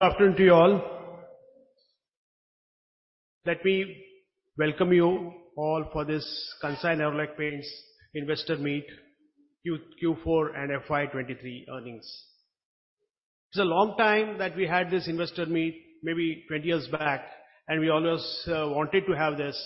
Good afternoon to all. Let me welcome you all for this Kansai Nerolac Paints investor meet, Q4 and FY 2023 earnings. It's a long time that we had this investor meet, maybe 20 years back, and we always wanted to have this.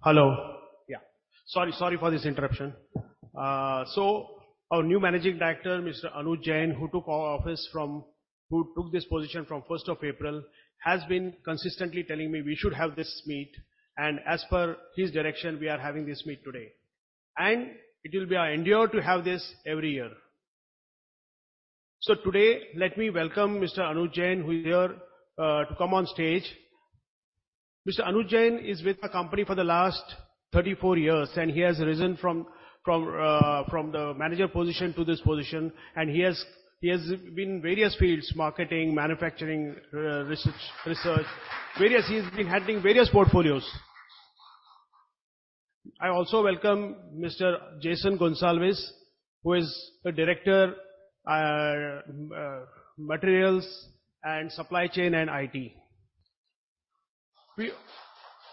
Hello. Yeah. Sorry for this interruption. Our new Managing Director, Mr. Anuj Jain, who took this position from 1st of April, has been consistently telling me we should have this meet, as per his direction, we are having this meet today. It will be our endeavor to have this every year. Today, let me welcome Mr. Anuj Jain, who is here to come on stage. Mr. Anuj Jain is with the company for the last 34 years, he has risen from the manager position to this position, he has been in various fields: marketing, manufacturing, research. He's been handling various portfolios. I also welcome Mr. Jason Gonsalves, who is the director, materials and supply chain and IT.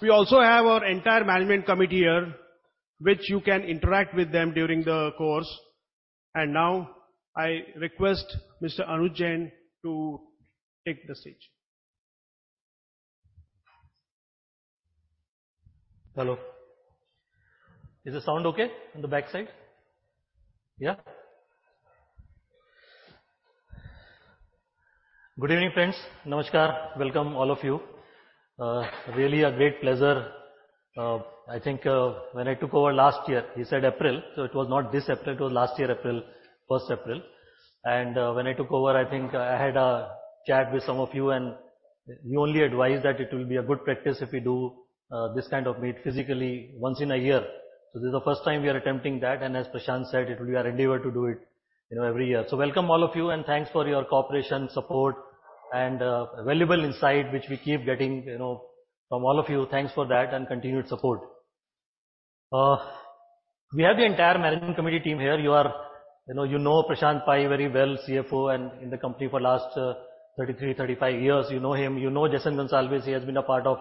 We also have our entire management committee here, which you can interact with them during the course. Now I request Mr. Anuj Jain to take the stage. Hello. Is the sound okay on the backside? Good evening, friends. Namaskar. Welcome, all of you. Really a great pleasure. I think when I took over last year, he said April, it was not this April, it was last year April, 1st April. When I took over, I think I had a chat with some of you, and you only advised that it will be a good practice if we do this kind of meet physically once in a year. This is the first time we are attempting that, and as Prashant said, it will be our endeavor to do it, you know, every year. Welcome, all of you, and thanks for your cooperation, support, and valuable insight which we keep getting, you know, from all of you. Thanks for that and continued support. We have the entire management committee team here. You know, you know Prashant Pai very well, CFO, and in the company for last 33, 35 years. You know him. You know Jason Gonsalves. He has been a part of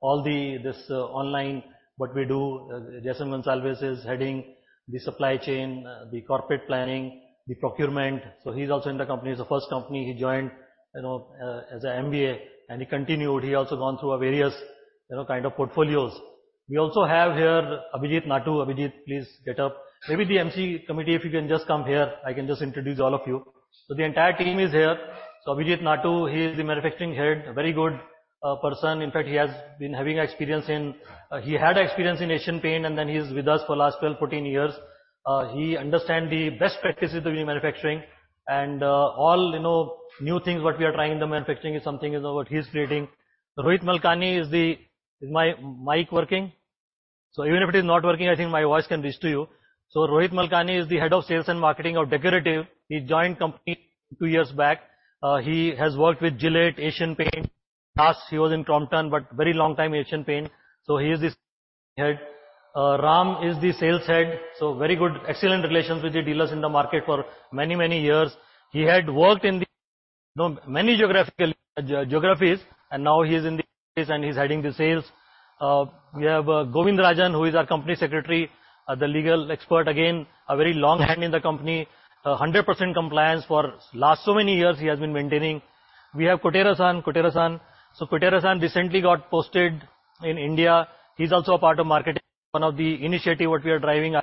all this online, what we do. Jason Gonsalves is heading the supply chain, the corporate planning, the procurement. So he's also in the company. It's the first company he joined, you know, as an MBA, and he continued. He also gone through various, you know, kind of portfolios. We also have here Abhijit Natoo. Abhijit, please get up. Maybe the MC committee, if you can just come here, I can just introduce all of you. So the entire team is here. So Abhijit Natoo, he is the manufacturing head, a very good person. In fact, he had experience in Asian Paints, and then he's with us for the last 12, 14 years. He understand the best practices to be in manufacturing and, all, you know, new things what we are trying in the manufacturing is something, you know, what he's creating. Rohit Malkani. Is my mic working? Even if it is not working, I think my voice can reach to you. Rohit Malkani is the Head of sales and marketing of Decorative. He joined company two years back. He has worked with Gillette, Asian Paints. In past, he was in Crompton, but very long time Asian Paints. He is the head. Ram is the sales head, so very good, excellent relations with the dealers in the market for many, many years. He had worked in the many geographical geographies, now he's in the, and he's heading the sales. We have Govindarajan, who is our Company Secretary, the legal expert, again, a very long hand in the company. 100% compliance for last so many years he has been maintaining. We have Kotera-san. Kotera-san recently got posted in India. He's also a part of marketing. One of the initiative what we are driving,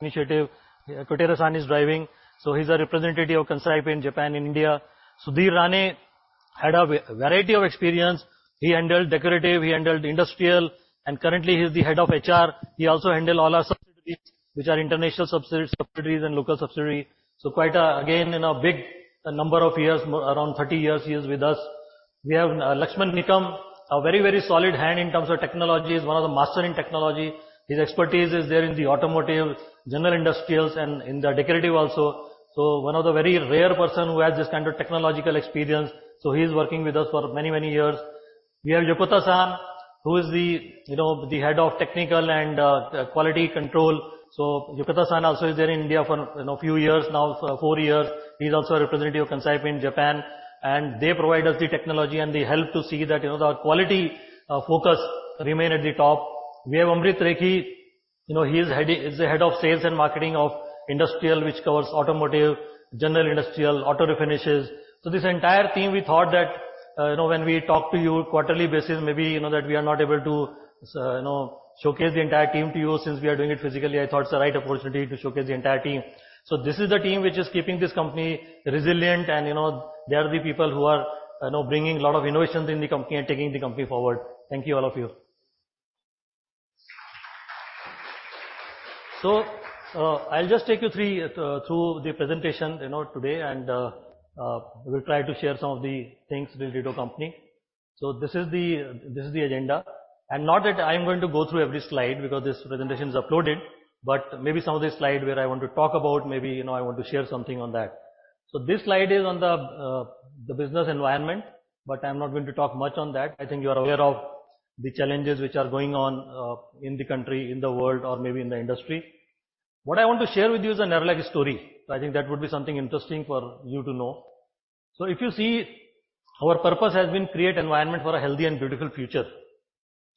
initiative Kotera-san is driving. He's a representative of Kansai Paint Japan in India. Sudhir Rane had a variety of experience. He handled decorative, he handled industrial, and currently he's the Head of HR. He also handle all our subsidiaries, which are international subsidiaries and local subsidiary. Quite, again, in a big number of years, around 30 years, he is with us. We have Laxman Nikam, a very, very solid hand in terms of technology. He's one of the master in technology. His expertise is there in the automotive, general industrials, and in the decorative also. One of the very rare person who has this kind of technological experience. He's working with us for many, many years. We have Yokota San, who is the, you know, the head of technical and quality control. Yokota San also is there in India for, you know, few years now, four years. He's also a representative of Kansai in Japan, and they provide us the technology and the help to see that, you know, the quality focus remain at the top. We have Amrit Rekhi, you know, is the head of sales and marketing of industrial, which covers automotive, general industrial, auto refinishes. This entire team, we thought that, you know, when we talk to you quarterly basis, maybe you know that we are not able to, you know, showcase the entire team to you. Since we are doing it physically, I thought it's the right opportunity to showcase the entire team. This is the team which is keeping this company resilient and, you know, they are the people who are, you know, bringing a lot of innovations in the company and taking the company forward. Thank you, all of you. I'll just take you through the presentation, you know, today and we'll try to share some of the things with you, the company. This is the agenda. Not that I'm going to go through every slide because this presentation is uploaded, but maybe some of the slide where I want to talk about, maybe, you know, I want to share something on that. This slide is on the business environment, but I'm not going to talk much on that. I think you are aware of the challenges which are going on in the country, in the world or maybe in the industry. What I want to share with you is a Nerolac story. I think that would be something interesting for you to know. If you see, our purpose has been create environment for a healthy and beautiful future.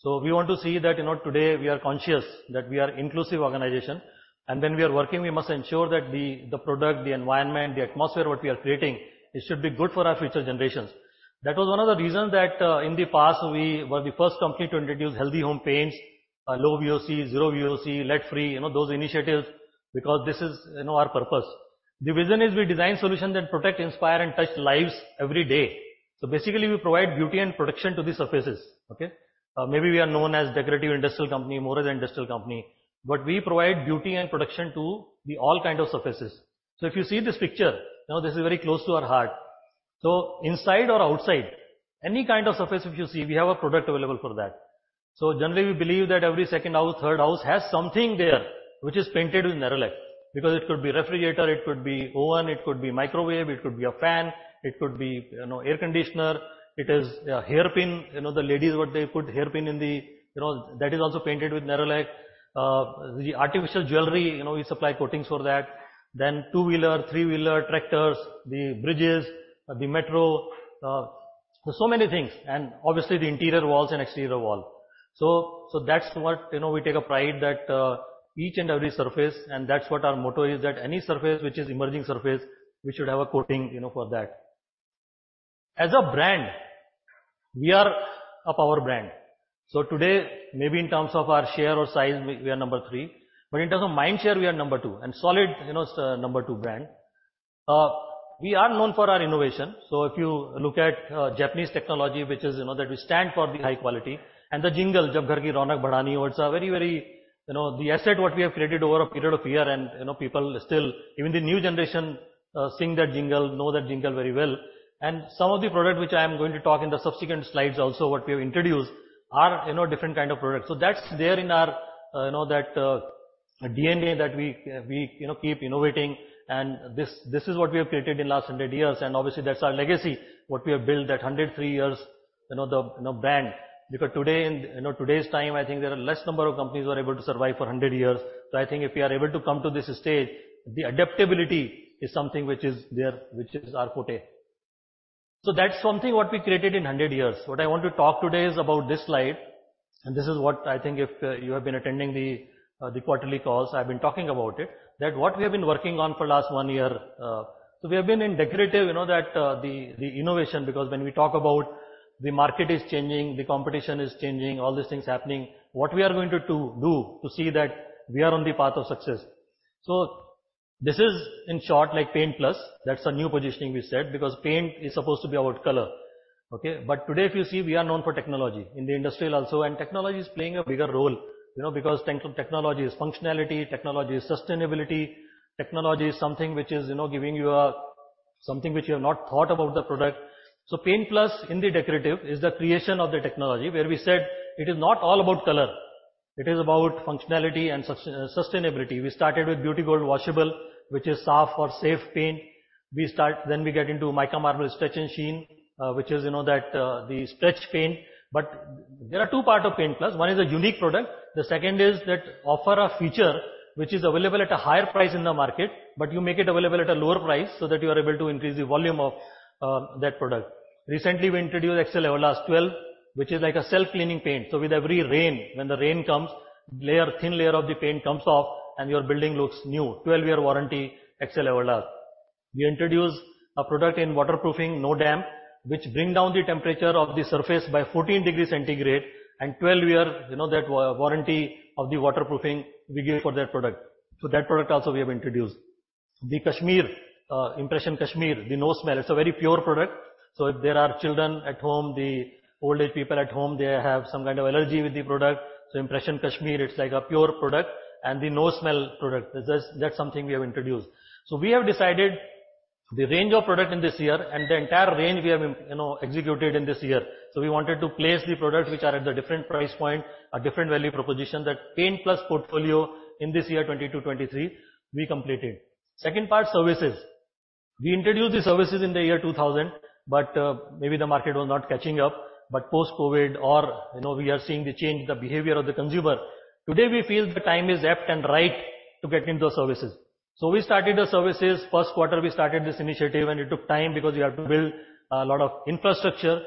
We want to see that, you know, today we are conscious that we are inclusive organization, and when we are working, we must ensure that the product, the environment, the atmosphere, what we are creating, it should be good for our future generations. That was one of the reasons that in the past, we were the first company to introduce healthy home paints, low VOC, zero VOC, lead free, you know, those initiatives because this is, you know, our purpose. The vision is we design solutions that protect, inspire, and touch lives every day. Basically, we provide beauty and protection to the surfaces. Okay? Maybe we are known as decorative industrial company, more as industrial company, but we provide beauty and protection to the all kind of surfaces. If you see this picture, you know, this is very close to our heart. Inside or outside, any kind of surface, if you see, we have a product available for that. Generally, we believe that every second house, third house has something there which is painted with Nerolac. It could be refrigerator, it could be oven, it could be microwave, it could be a fan, it could be, you know, air conditioner. It is a hairpin, you know, the ladies what they put hairpin in the, you know, that is also painted with Nerolac. The artificial jewelry, you know, we supply coatings for that. Two-wheeler, three-wheeler, tractors, the bridges, the metro, so many things, and obviously the interior walls and exterior wall. That's what, you know, we take a pride that, each and every surface, and that's what our motto is, that any surface which is emerging surface, we should have a coating, you know, for that. As a brand, we are a power brand. Today, maybe in terms of our share or size, we are number three. In terms of mind share, we are number two, and solid, you know, number two brand. We are known for our innovation. If you look at, Japanese technology, which is, you know, that we stand for the high quality and the jingle, Jab Ghar Ki Raunak Badhani. It's a very, you know, the asset what we have created over a period of year, and you know, people still, even the new generation, sing that jingle, know that jingle very well. Some of the product which I am going to talk in the subsequent slides also, what we have introduced are, you know, different kind of products. That's there in our, you know, that DNA that we, you know, keep innovating. This is what we have created in last 100 years. Obviously that's our legacy, what we have built at 103 years, you know, the, you know, brand. Today, in, you know, today's time, I think there are less number of companies who are able to survive for 100 years. I think if we are able to come to this stage, the adaptability is something which is there, which is our forte. That's something what we created in 100 years. What I want to talk today is about this slide. This is what I think if you have been attending the quarterly calls, I've been talking about it, that what we have been working on for last one year. We have been in decorative, you know, that the innovation, because when we talk about the market is changing, the competition is changing, all these things happening, what we are going to do to see that we are on the path of success. This is in short like Paint+. That's a new positioning we said, because paint is supposed to be about color. Okay. Today, if you see, we are known for technology in the Industrial also. Technology is playing a bigger role, you know, because technology is functionality, technology is sustainability. Technology is something which is, you know, giving you something which you have not thought about the product. Paint+ in the decorative is the creation of the technology where we said it is not all about color, it is about functionality and sustainability. We started with Beauty Gold Washable, which is safe for safe paint. Then we get into Mica Marble Stretch and Sheen, which is, you know, that the stretch paint. There are two part of Paint+. One is a unique product. The second is that offer a feature which is available at a higher price in the market, but you make it available at a lower price so that you are able to increase the volume of that product. Recently we introduced Excel Everlast 12, which is like a self-cleaning paint. With every rain, when the rain comes, thin layer of the paint comes off and your building looks new. 12-year warranty Excel Everlast. We introduced a product in waterproofing, NoDamp, which bring down the temperature of the surface by 14 degrees Celsius and 12-year, you know, that warranty of the waterproofing we give for that product. That product also we have introduced. Impression Kashmir, the no smell. It's a very pure product, so if there are children at home, the old age people at home, they have some kind of allergy with the product. Impression Kashmir, it's like a pure product and the no smell product. That's something we have introduced. We have decided the range of product in this year and the entire range we have, you know, executed in this year. We wanted to place the products which are at the different price point, a different value proposition, that Paint+ portfolio in this year, 2022-2023, we completed. Second part, services. We introduced the services in the year 2000, but maybe the market was not catching up. Post-COVID or, you know, we are seeing the change in the behavior of the consumer. Today we feel the time is apt and right to get into services. We started the services. First quarter we started this initiative, and it took time because we have to build a lot of infrastructure.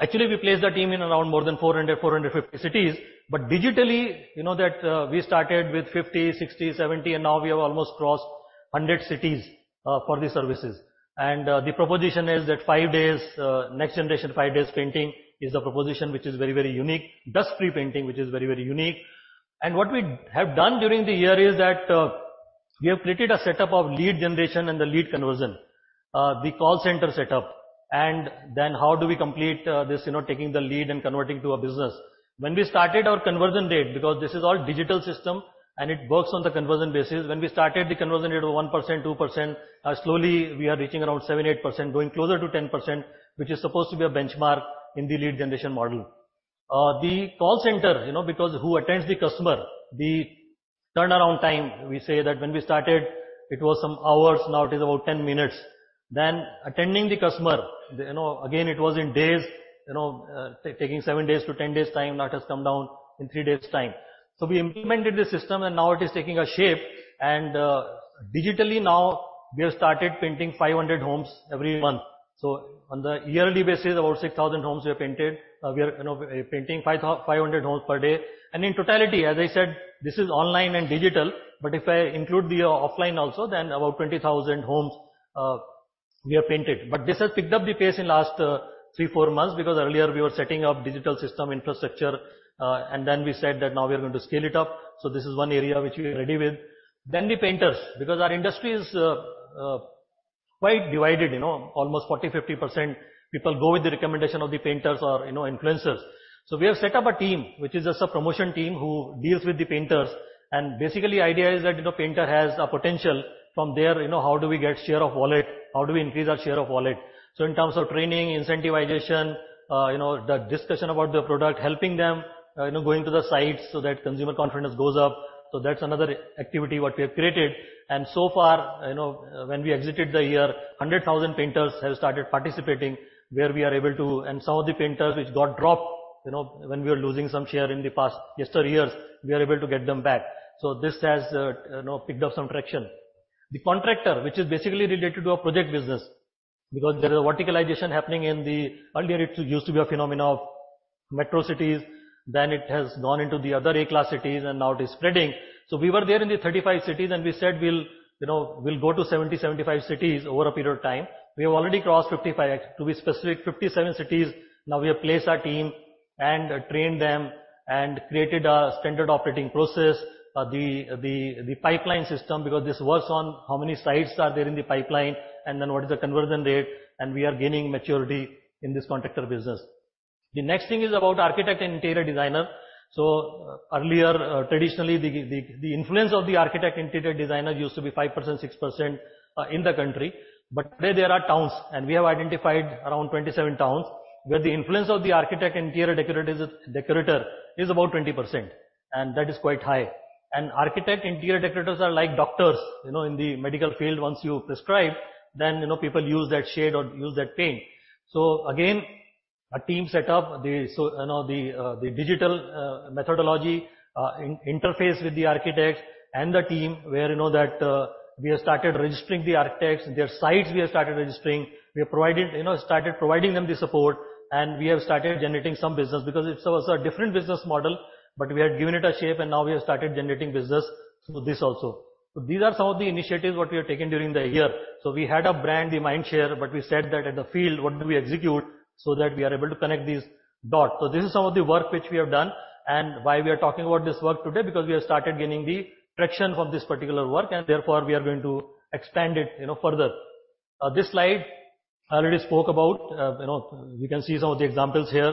Actually, we placed the team in around more than 400-450 cities. Digitally, you know that, we started with 50, 60, 70, and now we have almost crossed 100 cities for these services. The proposition is that five days, next generation five days painting is a proposition which is very, very unique. Dust-free painting, which is very, very unique. What we have done during the year is that we have created a setup of lead generation and the lead conversion. The call center setup, how do we complete, you know, taking the lead and converting to a business. When we started our conversion rate, because this is all digital system and it works on the conversion basis. When we started, the conversion rate was 1%, 2%. Slowly, we are reaching around 7%, 8%, going closer to 10%, which is supposed to be a benchmark in the lead generation model. The call center, you know, because who attends the customer, the turnaround time, we say that when we started, it was some hours. Now it is about 10 minutes. Attending the customer, you know, again, it was in days, you know, taking seven days to 10 days time. Now it has come down in three days time. We implemented the system and now it is taking a shape. Digitally now we have started painting 500 homes every month. On the yearly basis, about 6,000 homes we have painted. We are, you know, painting 500 homes per day. In totality, as I said, this is online and digital, but if I include the offline also, then about 20,000 homes we have painted. This has picked up the pace in last three, four months, because earlier we were setting up digital system infrastructure, and then we said that now we are going to scale it up. This is one area which we are ready with. The painters, because our industry is quite divided, you know. Almost 40%, 50% people go with the recommendation of the painters or, you know, influencers. We have set up a team, which is just a promotion team, who deals with the painters. Basically, idea is that, you know, painter has a potential. From there, you know, how do we get share of wallet? How do we increase our share of wallet? In terms of training, incentivization, you know, the discussion about the product, helping them, you know, going to the sites so that consumer confidence goes up. That's another activity what we have created. So far, you know, when we exited the year, 100,000 painters have started participating where we are able to. Some of the painters which got dropped, you know, when we were losing some share in the past yesteryears, we are able to get them back. This has, you know, picked up some traction. The contractor, which is basically related to our project business, because there is a verticalization happening in the. Earlier it used to be a phenomenon of metro cities, it has gone into the other A-class cities, now it is spreading. We were there in the 35 cities. We said we'll, you know, we'll go to 70-75 cities over a period of time. We have already crossed 55. To be specific, 57 cities now we have placed our team and trained them and created a standard operating process. The pipeline system, because this works on how many sites are there in the pipeline, what is the conversion rate, we are gaining maturity in this contractor business. The next thing is about architect and interior designer. Earlier, traditionally, the influence of the architect, interior decorator used to be 5%-6% in the country. Today there are towns. We have identified around 27 towns, where the influence of the architect, interior decorator is about 20%, that is quite high. Architect, interior decorators are like doctors, you know, in the medical field. Once you prescribe, then, you know, people use that shade or use that paint. Again, a team set up. You know, the digital methodology in-interface with the architect and the team, where you know that we have started registering the architects. Their sites we have started registering. We have provided, you know, started providing them the support. We have started generating some business because it's also a different business model. We have given it a shape, and now we have started generating business through this also. These are some of the initiatives what we have taken during the year. We had a brand, the mind share, but we said that at the field, what do we execute so that we are able to connect these dots. This is some of the work which we have done and why we are talking about this work today, because we have started gaining the traction from this particular work, and therefore we are going to expand it, you know, further. This slide I already spoke about. You know, you can see some of the examples here.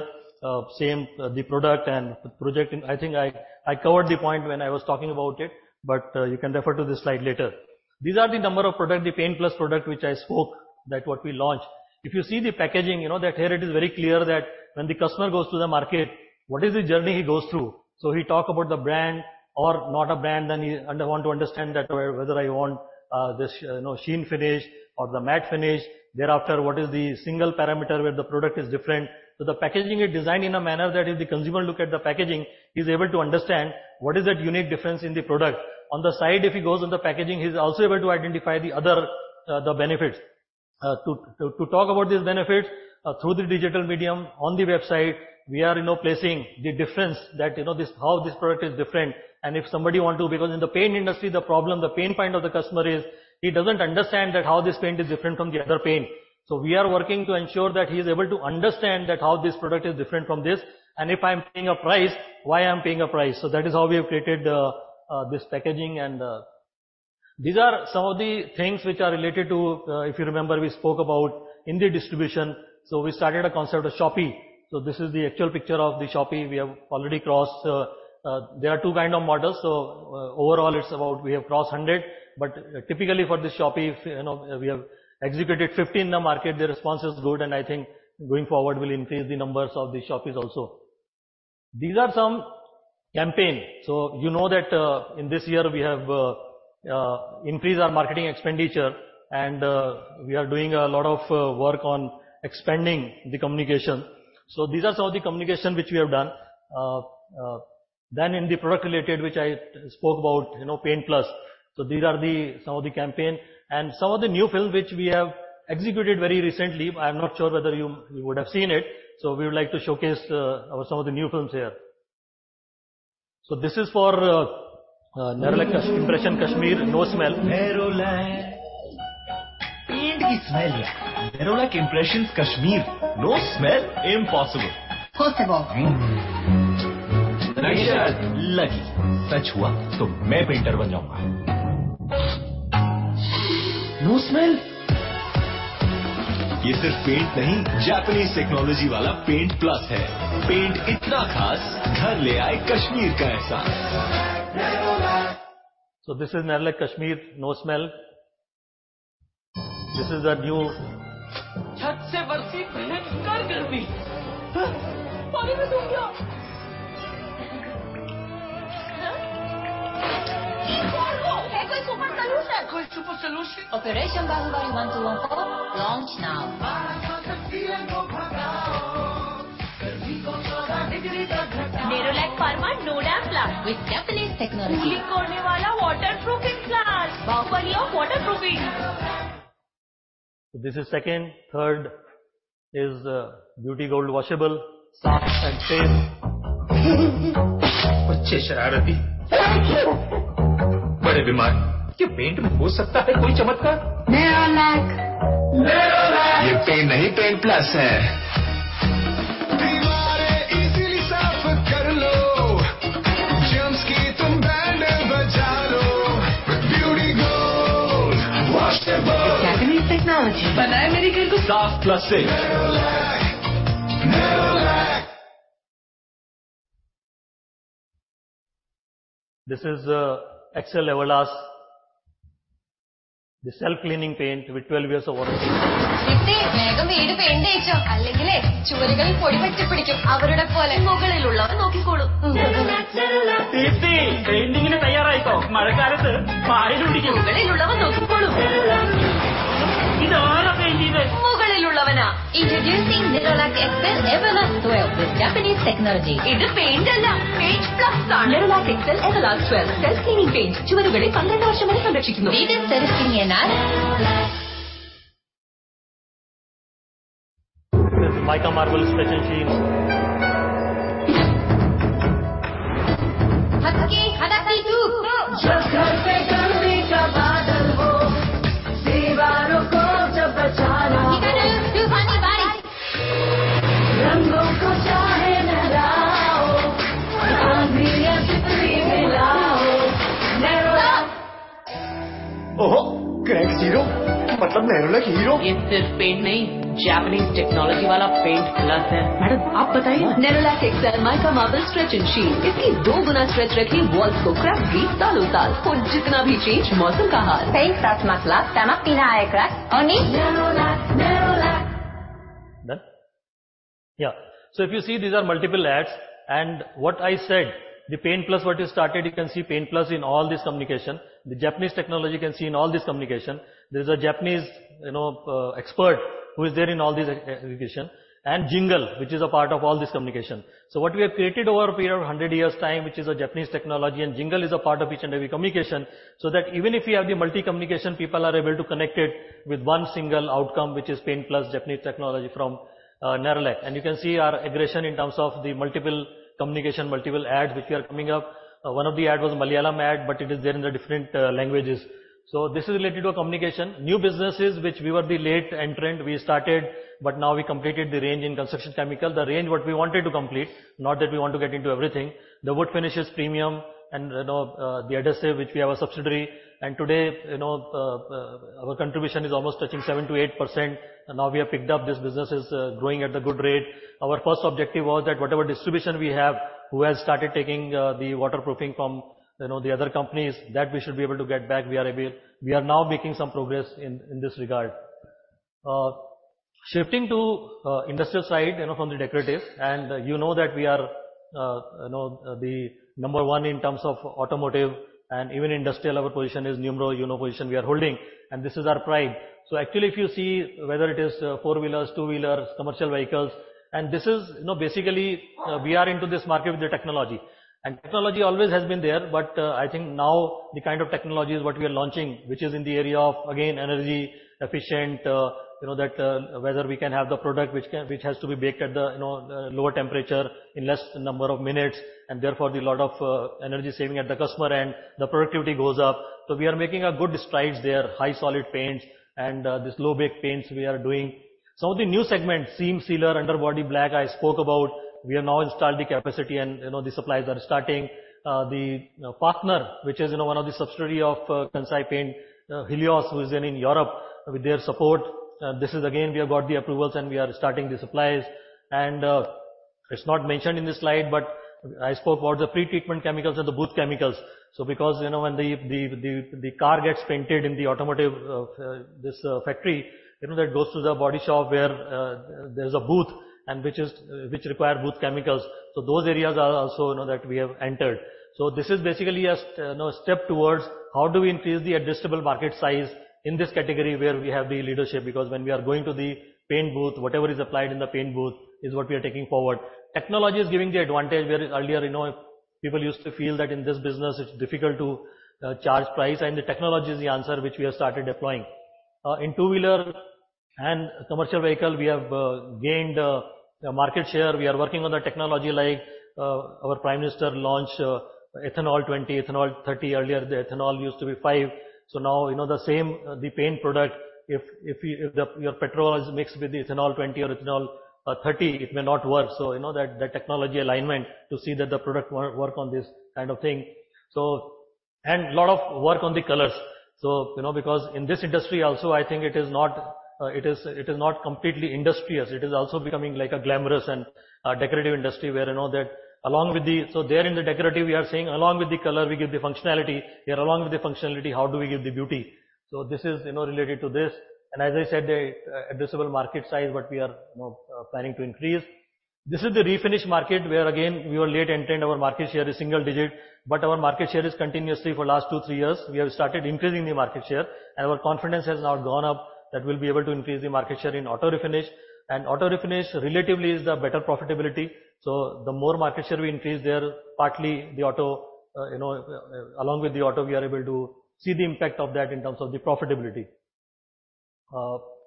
Same, the product and project. I think I covered the point when I was talking about it, but you can refer to this slide later. These are the number of product, the Paint+ product which I spoke, that what we launched. If you see the packaging, you know that here it is very clear that when the customer goes to the market, what is the journey he goes through? He talk about the brand or not a brand, then he want to understand that whether I want, you know, sheen finish or the matte finish. Thereafter, what is the single parameter where the product is different. The packaging is designed in a manner that if the consumer look at the packaging, he's able to understand what is that unique difference in the product. On the side if he goes on the packaging, he's also able to identify the other, the benefits. To talk about these benefits, through the digital medium on the website, we are, you know, placing the difference that, you know, this, how this product is different. Because in the paint industry, the problem, the pain point of the customer is he doesn't understand that how this paint is different from the other paint. We are working to ensure that he is able to understand that how this product is different from this. If I'm paying a price, why I'm paying a price. That is how we have created this packaging. These are some of the things which are related to, if you remember, we spoke about indie distribution. We started a concept of Shoppe. This is the actual picture of the Shoppe. We have already crossed. There are two kind of models. Overall it's about we have crossed 100. Typically for this Shoppe, if, you know, we have executed 50 in the market, the response is good, and I think going forward will increase the numbers of the Shoppes also. These are some campaign. You know that, in this year we have increased our marketing expenditure and, we are doing a lot of work on expanding the communication. These are some of the communication which we have done. In the product related which I spoke about, you know, Paint+. These are the some of the campaign and some of the new films which we have executed very recently. I'm not sure whether you would have seen it. We would like to showcase some of the new films here. This is for Nerolac Impressions Kashmir No Smell. Nerolac. Paint ki smell hai. Nerolac Impressions Kashmir. No smell? Impossible. Possible. Hmm. Lucky. Sach hua toh main painter ban jaunga. No smell. Ye sirf paint nahi, Japanese technology wala Paint+ hai. Paint itna khaas, ghar le aaye Kashmir ka ehsaas. Nerolac. This is Nerolac Kashmir No Smell. Chhat se barsi behad garmi. Huh? Paani mein sun gaya. Huh? Isko aur woh hai koi super solution? Koi super solution. Operation Bahubali 1214, launch now. Barsha ka seen ko bhagaao. Garmi ko 14 degrees tak ghatao. Nerolac Perma NoDamp+. With Japanese technology. Cooling karne wala waterproofing plus. Baap aa gaya waterproofing. Nerolac. This is second. Third is, Beauty Gold Washable. Saaf and safe. Bachche shararati. Bade bimar. Kya paint mein ho sakta hai koi chamatkar? Nerolac. Nerolac. Ye paint nahi Paint+ hai. Divaare easily saaf kar lo. Germs ki tum band bajalo. With Beauty Gold Washable. With Japanese technology. Banaya mere ghar ko-Saaf plus safe. Nerolac. Nerolac. This is Excel Everlast. The self-cleaning paint with 12 years of warranty. Nerolac. Introducing Nerolac Excel Everlast 12 with Japanese technology. Idhu paint alla. Paint+ dhannu. Nerolac Excel Everlast 12. Self-cleaning paint. Chuvarukale paththindu varsham manai sanrakshikkuunnu. Made in Sarigam. Nerolac. There's Mica Marble Stretch and Shield. Jab ghar pe garmi ka baadal ho. Divaaron ko jab bachana ho. Rango ko chahe nalao. Kaandhi ya chiti milao. Nerolac. Oho. Cracks zero. Matlab Nerolac hero. Ye sirf paint nahi, Japanese technology wala Paint+ hai. Madam, aap batao. Nerolac Excel Mica Marble Stretch and Sheen. Iski do guna stretch rakhi walls ko cracks se taal utaal. Ho jitna bhi change mausam ka haal. Paint+ mein plus. Tamam pehle aaye cracks ab nahi. Nerolac. Nerolac. Done? Yeah. If you see these are multiple ads and what I said, the Paint+ what we started, you can see Paint+ in all this communication. The Japanese technology you can see in all this communication. There's a Japanese, you know, expert who is there in all these communication and jingle, which is a part of all this communication. What we have created over a period of 100 years time, which is a Japanese technology, and jingle is a part of each and every communication, so that even if we have the multi communication, people are able to connect it with one single outcome, which is Paint+ Japanese technology from Nerolac. You can see our aggression in terms of the multiple communication, multiple ads which we are coming up. One of the ad was Malayalam ad, but it is there in the different languages. This is related to a communication. New businesses which we were the late entrant we started, but now we completed the range in construction chemicals. The range what we wanted to complete, not that we want to get into everything. The wood finishes premium and you know, the adhesive, which we have a subsidiary. Today, you know, our contribution is almost touching 7%-8%. Now we have picked up this business is growing at a good rate. Our first objective was that whatever distribution we have, who has started taking the waterproofing from, you know, the other companies that we should be able to get back, we are able. We are now making some progress in this regard. Shifting to industrial side, you know, from the decorative and you know that we are, you know, the number one in terms of automotive and even industrial. Our position is numero uno position we are holding, and this is our pride. Actually, if you see whether it is four-wheelers, two-wheelers, commercial vehicles, and this is, you know, basically we are into this market with the technology, and technology always has been there. I think now the kind of technologies what we are launching, which is in the area of, again, energy efficient, you know, that, whether we can have the product which has to be baked at the lower temperature in less number of minutes and therefore the lot of energy saving at the customer end, the productivity goes up. We are making a good strides there. High solid paints and this low bake paints we are doing. Some of the new segments, seam sealer, underbody black I spoke about. We have now installed the capacity and you know the supplies are starting. The, you know, partner, which is, you know, one of the subsidiary of Kansai Paint, Helios, who is in Europe with their support. This is again, we have got the approvals and we are starting the supplies. It's not mentioned in this slide, but I spoke about the pre-treatment chemicals and the booth chemicals. Because, you know, when the, the car gets painted in the automotive, this, factory, you know, that goes to the body shop where there's a booth and which require booth chemicals. Those areas are also, you know, that we have entered. This is basically a, you know, step towards how do we increase the addressable market size in this category where we have the leadership, because when we are going to the paint booth, whatever is applied in the paint booth is what we are taking forward. Technology is giving the advantage, whereas earlier, you know, people used to feel that in this business it's difficult to charge price, the technology is the answer which we have started deploying. In two-wheeler and commercial vehicle, we have gained market share. We are working on the technology like our Prime Minister launched ethanol 20%, ethanol 30%. Earlier, the ethanol used to be 5%. Now, you know, the same, the paint product, if your petrol is mixed with the ethanol 20% or ethanol 30%, it may not work. You know, that, the technology alignment to see that the product work on this kind of thing. A lot of work on the colors. You know, because in this industry also, I think it is not, it is not completely industrious. It is also becoming like a glamorous and a decorative industry where you know that along with the. There in the decorative, we are saying along with the color, we give the functionality. Here along with the functionality, how do we give the beauty? This is, you know, related to this. As I said, the addressable market size what we are, you know, planning to increase. This is the refinish market where again, we were late entering. Our market share is single digit, but our market share is continuously for last two, three years, we have started increasing the market share and our confidence has now gone up that we'll be able to increase the market share in auto refinish. Auto refinish relatively is the better profitability. The more market share we increase there, partly the auto, you know, along with the auto, we are able to see the impact of that in terms of the profitability.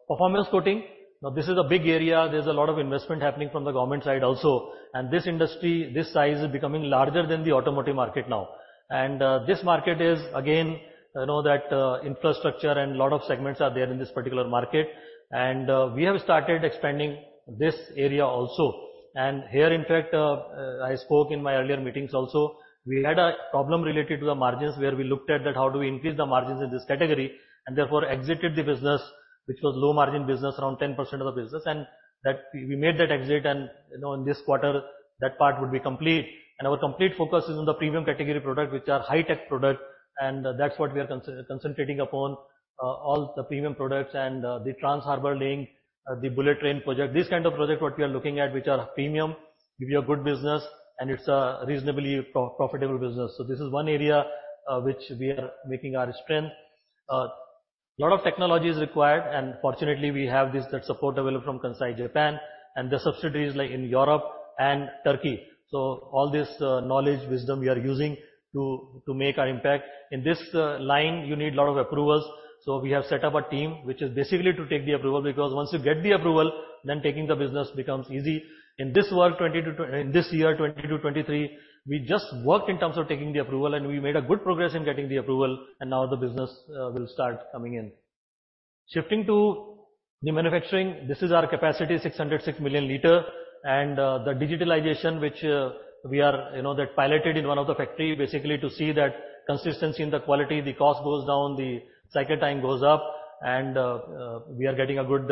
Performance coating. Now, this is a big area. There's a lot of investment happening from the government side also. This industry, this size is becoming larger than the automotive market now. This market is, again, you know, that infrastructure and lot of segments are there in this particular market. We have started expanding this area also. Here, in fact, I spoke in my earlier meetings also, we had a problem related to the margins, where we looked at that how do we increase the margins in this category, and therefore exited the business, which was low-margin business, around 10% of the business. That we made that exit. You know, in this quarter that part would be complete. Our complete focus is on the premium category product, which are high-tech product, and that's what we are concentrating upon, all the premium products and, the Trans Harbour Link, the bullet train project. This kind of project, what we are looking at, which are premium, give you a good business, and it's a reasonably profitable business. This is one area which we are making our strength. Lot of technology is required, fortunately, we have this, that support available from Kansai, Japan and the subsidiaries like in Europe and Turkey. All this knowledge, wisdom we are using to make our impact. In this line, you need a lot of approvals. We have set up a team which is basically to take the approval, because once you get the approval, then taking the business becomes easy. In this year, 2020 to 2023, we just worked in terms of taking the approval, and we made a good progress in getting the approval and now the business will start coming in. Shifting to the manufacturing, this is our capacity, 606 million liter. The digitalization which we are, you know, that piloted in one of the factory basically to see that consistency in the quality, the cost goes down, the cycle time goes up, we are getting a good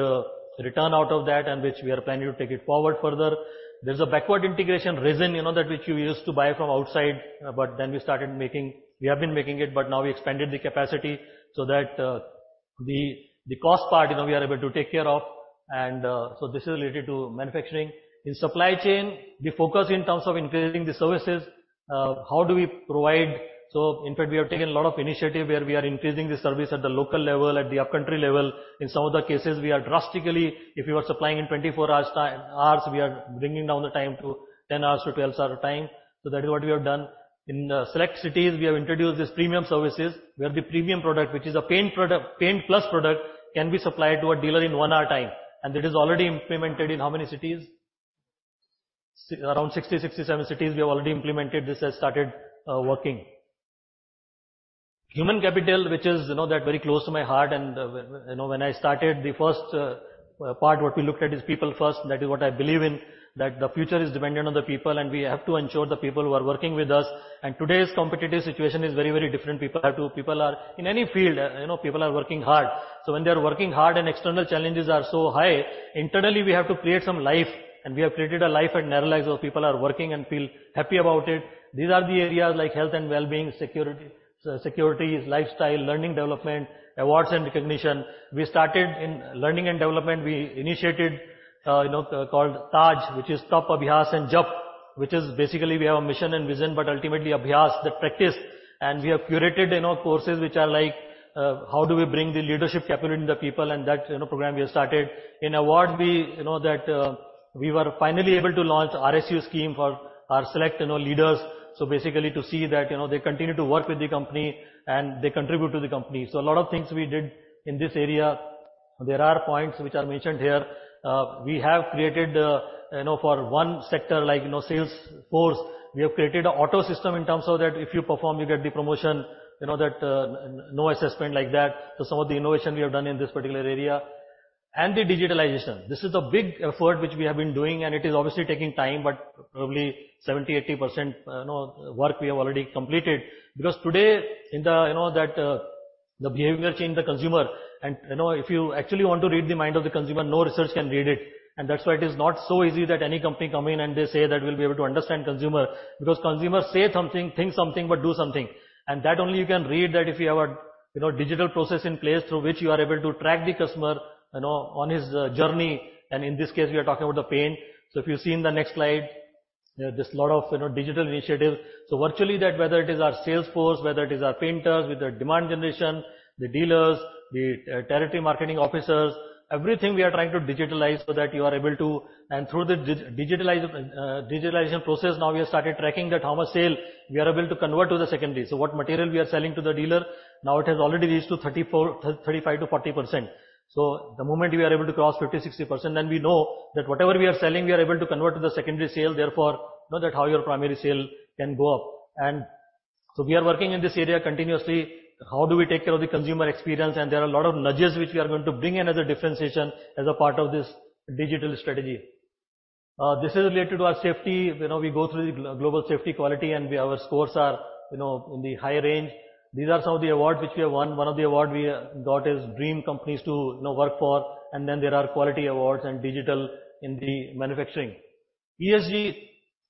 return out of that, and which we are planning to take it forward further. There's a backward integration resin, you know, that which we used to buy from outside, but then we started making. We have been making it, but now we expanded the capacity so that the cost part, you know, we are able to take care of. So this is related to manufacturing. In supply chain, we focus in terms of increasing the services. How do we provide? In fact, we have taken a lot of initiative where we are increasing the service at the local level, at the upcountry level. In some of the cases, we are drastically, if we were supplying in 24 hours, we are bringing down the time to 10 hours to 12 hours of time. That is what we have done. In select cities, we have introduced this premium services, where the premium product, which is a paint product, Paint+ product, can be supplied to a dealer in one hour time, that is already implemented in how many cities? Around 60-67 cities we have already implemented. This has started working. Human capital, which is, you know, that very close to my heart. You know, when I started, the first part, what we looked at is people first. That is what I believe in, that the future is dependent on the people. We have to ensure the people who are working with us. Today's competitive situation is very, very different. People are, in any field, you know, people are working hard. When they are working hard and external challenges are so high, internally, we have to create some life. We have created a life at Nerolac, so people are working and feel happy about it. These are the areas like health and wellbeing, security, lifestyle, learning development, awards and recognition. We started in learning and development. We initiated, you know, called Taj, which is Tapp, Abhyaas and Jab, which is basically we have a mission and vision, but ultimately Abhyaas, the practice. We have curated, you know, courses which are like, how do we bring the leadership capability in the people and that, you know, program we have started. In awards, we, you know, that, we were finally able to launch RSU scheme for our select, you know, leaders. Basically to see that, you know, they continue to work with the company and they contribute to the company. A lot of things we did in this area. There are points which are mentioned here. We have created, you know, for one sector like, you know, sales force, we have created a auto system in terms of that if you perform, you get the promotion, you know, that, no assessment like that. Some of the innovation we have done in this particular area. The digitalization, this is a big effort which we have been doing, and it is obviously taking time, but probably 70%, 80% you know, work we have already completed. The behavior change the consumer. You know, if you actually want to read the mind of the consumer, no research can read it. That's why it is not so easy that any company come in and they say that we'll be able to understand consumer, because consumers say something, think something, but do something. That only you can read that if you have a, you know, digital process in place through which you are able to track the customer, you know, on his journey. In this case, we are talking about the paint. If you see in the next slide, there's a lot of, you know, digital initiatives. Virtually that whether it is our sales force, whether it is our painters, with our demand generation, the dealers, the territory marketing officers, everything we are trying to digitalize so that you are able to... Through the digitalization process, now we have started tracking that how much sale we are able to convert to the secondary. What material we are selling to the dealer, now it has already reached to 35%-40%. The moment we are able to cross 50%, 60%, then we know that whatever we are selling, we are able to convert to the secondary sale, therefore know that how your primary sale can go up. We are working in this area continuously. How do we take care of the consumer experience? There are a lot of nudges which we are going to bring in as a differentiation as a part of this digital strategy. This is related to our safety. You know, we go through the global safety quality, and our scores are, you know, in the high range. These are some of the awards which we have won. One of the award we got is dream companies to, you know, work for, and then there are quality awards and digital in the manufacturing. ESG,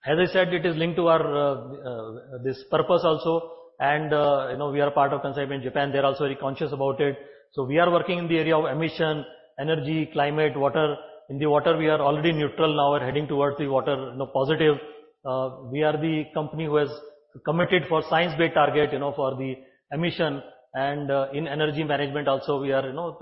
as I said, it is linked to our purpose also. You know, we are part of Kansai Paint Japan, they're also very conscious about it. We are working in the area of emission, energy, climate, water. In the water, we are already neutral. Now we're heading towards the water, you know, positive. We are the company who has committed for science-based target, you know, for the emission. In energy management also, we are, you know,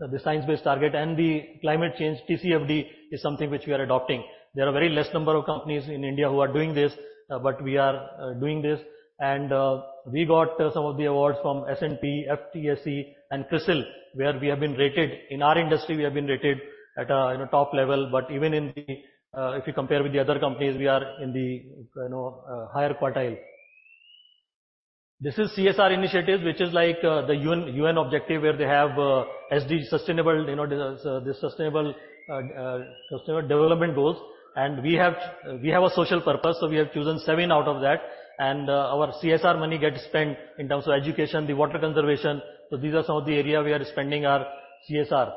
the science-based target. The climate change TCFD is something which we are adopting. There are very less number of companies in India who are doing this, but we are doing this. We got some of the awards from S&P, FTSE and CRISIL, where we have been rated. In our industry, we have been rated at, you know, top level. Even in the, if you compare with the other companies, we are in the, you know, higher quartile. This is CSR initiatives, which is like the UN objective, where they have, you know, the sustainable development goals. We have a social purpose, so we have chosen seven out of that. Our CSR money gets spent in terms of education, the water conservation. These are some of the area we are spending our CSR.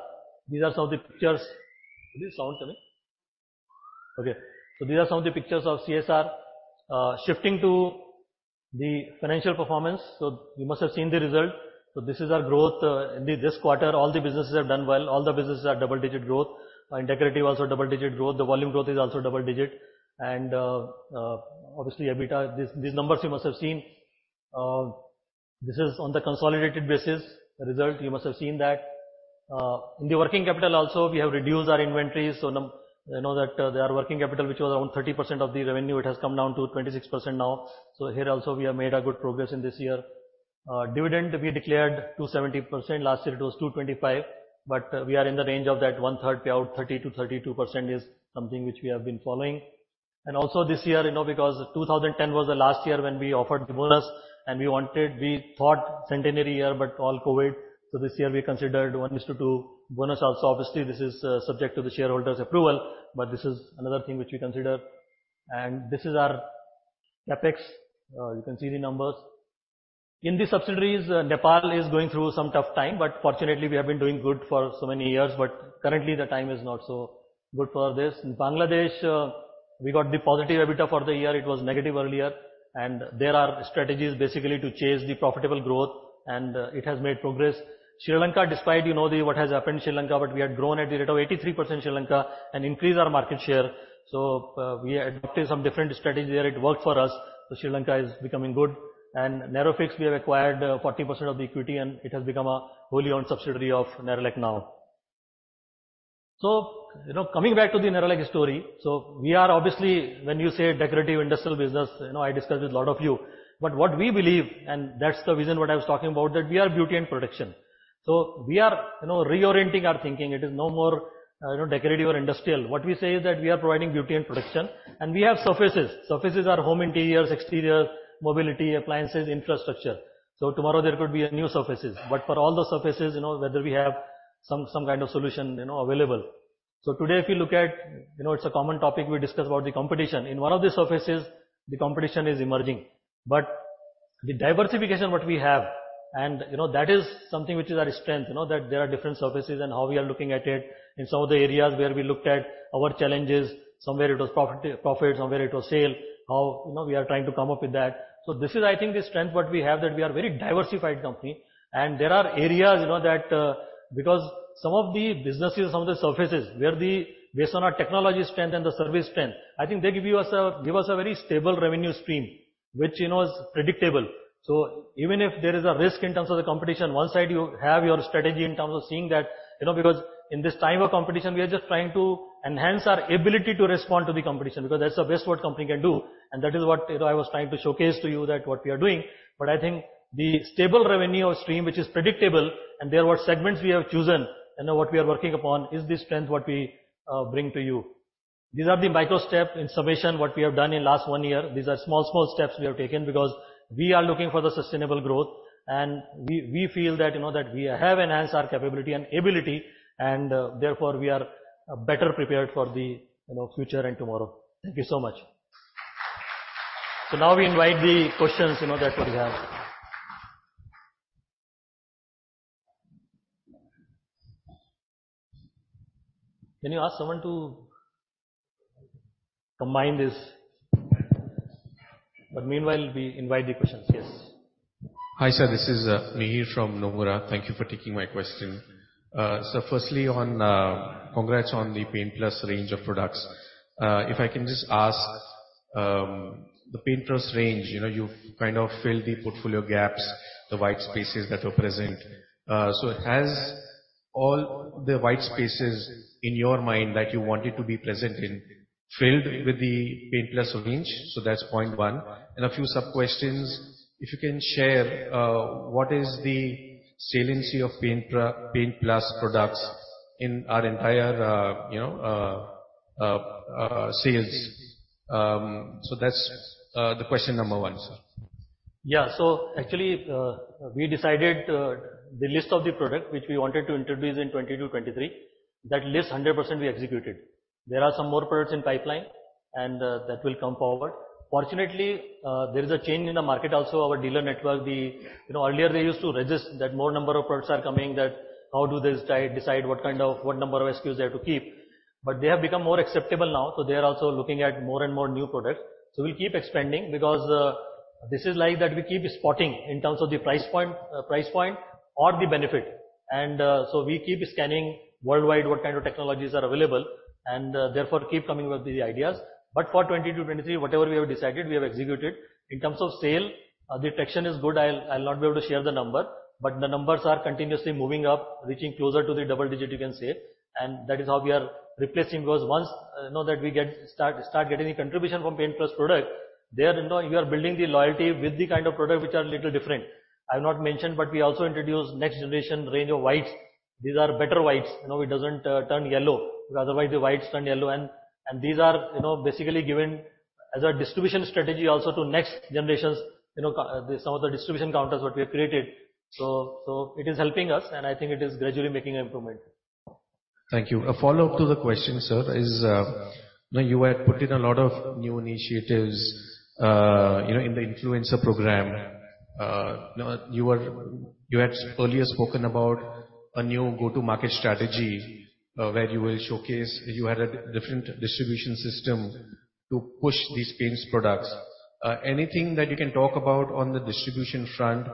These are some of the pictures. Is the sound coming? Okay. These are some of the pictures of CSR. Shifting to the financial performance. You must have seen the result. This is our growth in this quarter, all the businesses have done well. All the businesses are double-digit growth. In decorative also double-digit growth. The volume growth is also double digit. Obviously EBITDA, these numbers you must have seen. This is on the consolidated basis result, you must have seen that. In the working capital also, we have reduced our inventory. You know that they are working capital, which was around 30% of the revenue, it has come down to 26% now. Here also we have made a good progress in this year. Dividend, we declared 270%. Last year it was 225%. We are in the range of that 1/3 payout, 30%-32% is something which we have been following. Also this year, you know, because 2010 was the last year when we offered bonus, we thought centenary year, but all COVID. This year we considered 1:2 bonus also. Obviously, this is subject to the shareholders approval, this is another thing which we consider. This is our CapEx. You can see the numbers. In the subsidiaries, Nepal is going through some tough time, but fortunately, we have been doing good for so many years. Currently, the time is not so good for this. In Bangladesh, we got the positive EBITDA for the year. It was negative earlier. There are strategies basically to chase the profitable growth, and it has made progress. Sri Lanka, despite you know what has happened in Sri Lanka, but we had grown at the rate of 83% Sri Lanka and increased our market share. We adopted some different strategy there. It worked for us. Sri Lanka is becoming good. Nerofix, we have acquired 40% of the equity, and it has become a wholly owned subsidiary of Nerolac now. You know, coming back to the Nerolac story. We are obviously, when you say decorative industrial business, you know, I discussed with a lot of you. What we believe, and that's the vision what I was talking about, that we are beauty and protection. We are, you know, reorienting our thinking. It is no more, you know, decorative or industrial. What we say is that we are providing beauty and protection. We have surfaces. Surfaces are home interiors, exterior, mobility, appliances, infrastructure. Tomorrow there could be a new surfaces. For all the surfaces, you know, whether we have some kind of solution, you know, available. Today, if you look at, you know, it's a common topic we discuss about the competition. In one of the surfaces, the competition is emerging. The diversification, what we have and, you know, that is something which is our strength. You know that there are different surfaces and how we are looking at it. In some of the areas where we looked at our challenges, somewhere it was profit, somewhere it was sale, how, you know, we are trying to come up with that. This is, I think, the strength what we have, that we are very diversified company. There are areas, you know, that, because some of the businesses, some of the surfaces where based on our technology strength and the service strength, I think they give us a very stable revenue stream, which, you know, is predictable. Even if there is a risk in terms of the competition, one side you have your strategy in terms of seeing that, you know, because in this time of competition, we are just trying to enhance our ability to respond to the competition, because that's the best what company can do. That is what, you know, I was trying to showcase to you that what we are doing. I think the stable revenue stream, which is predictable, and they are what segments we have chosen and now what we are working upon, is the strength what we bring to you. These are the micro step in summation, what we have done in last one year. These are small steps we have taken because we are looking for the sustainable growth and we feel that, you know, that we have enhanced our capability and ability and therefore, we are better prepared for the, you know, future and tomorrow. Thank you so much. Now we invite the questions, you know, that we have. Can you ask someone to combine this? Meanwhile, we invite the questions. Yes. Hi, sir. This is Mihir from Nomura. Thank you for taking my question. firstly on congrats on the Paint+ range of products. If I can just ask, the Paint+ range, you know, you've kind of filled the portfolio gaps, the white spaces that were present. it has all the white spaces in your mind that you want it to be present in filled with the Paint+ range. That's point one. A few sub-questions. If you can share, what is the saliency of Paint+ products in our entire, you know, sales? That's the question number one, sir. Yeah. Actually, we decided the list of the product which we wanted to introduce in 2020 to 2023, that list 100% we executed. There are some more products in pipeline, that will come forward. Fortunately, there is a change in the market also. Our dealer network, you know, earlier they used to resist that more number of products are coming, that how do they decide what number of SKUs they have to keep. They have become more acceptable now, they are also looking at more and more new products. We'll keep expanding because this is like that we keep spotting in terms of the price point, price point or the benefit. We keep scanning worldwide what kind of technologies are available and, therefore, keep coming with the ideas. For 2020 to 2023, whatever we have decided, we have executed. In terms of sale, the traction is good. I'll not be able to share the number, but the numbers are continuously moving up, reaching closer to the double-digit, you can say. That is how we are replacing, because once, you know, that we start getting the contribution from Paint+ product, there, you know, you are building the loyalty with the kind of product which are a little different. I have not mentioned, but we also introduced next-generation range of whites. These are better whites. You know, it doesn't turn yellow, because otherwise the whites turn yellow. These are, you know, basically given as a distribution strategy also to next generations, you know, some of the distribution counters what we have created. It is helping us, and I think it is gradually making improvement. Thank you. A follow-up to the question, sir, is, you know, you had put in a lot of new initiatives, you know, in the influencer program. You know, you had earlier spoken about a new go-to-market strategy, where you will showcase you had a different distribution system to push these paints products. Anything that you can talk about on the distribution front,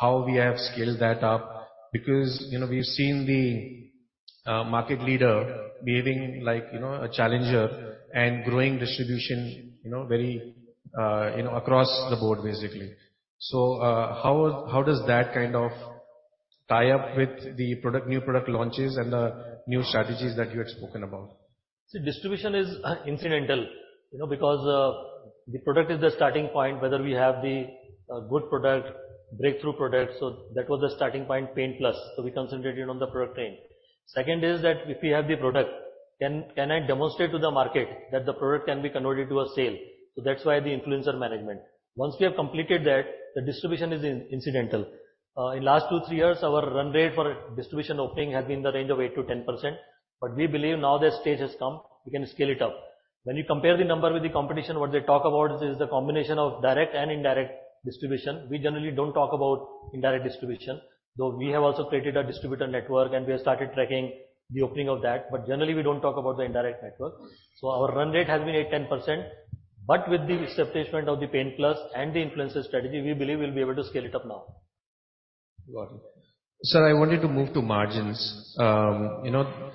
how we have scaled that up? Because, you know, we've seen the market leader behaving like, you know, a challenger and growing distribution, you know, very, you know, across the board, basically. How does that kind of tie up with the product, new product launches and the new strategies that you had spoken about? See, distribution is incidental, you know, because the product is the starting point, whether we have the good product, breakthrough product. That was the starting point, Paint+. We concentrated on the product range. Second is that if we have the product, can I demonstrate to the market that the product can be converted to a sale? That's why the influencer management. Once we have completed that, the distribution is incidental. In last two, three years, our run rate for distribution opening has been in the range of 8%-10%, we believe now the stage has come, we can scale it up. When you compare the number with the competition, what they talk about is the combination of direct and indirect distribution. We generally don't talk about indirect distribution, though we have also created a distributor network and we have started tracking the opening of that. Generally, we don't talk about the indirect network. Our run rate has been 8%, 10%. With the exception of the Paint+ and the influencer strategy, we believe we'll be able to scale it up now. Got it. Sir, I wanted to move to margins. you know,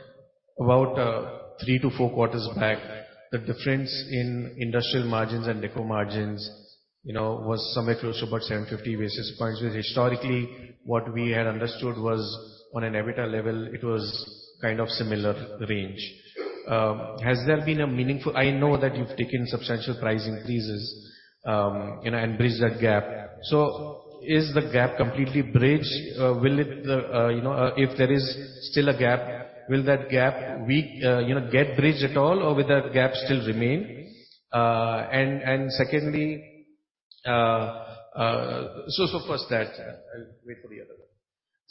about three to four quarters back, the difference in industrial margins and deco margins, you know, was somewhere close to about 750 basis points. Historically, what we had understood was on an EBITDA level, it was kind of similar range. Has there been a meaningful, I know that you've taken substantial price increases, you know, and bridged that gap. Is the gap completely bridged? Will it, you know, if there is still a gap, will that gap, you know, get bridged at all, or will that gap still remain? Secondly, first that. I'll wait for the other one.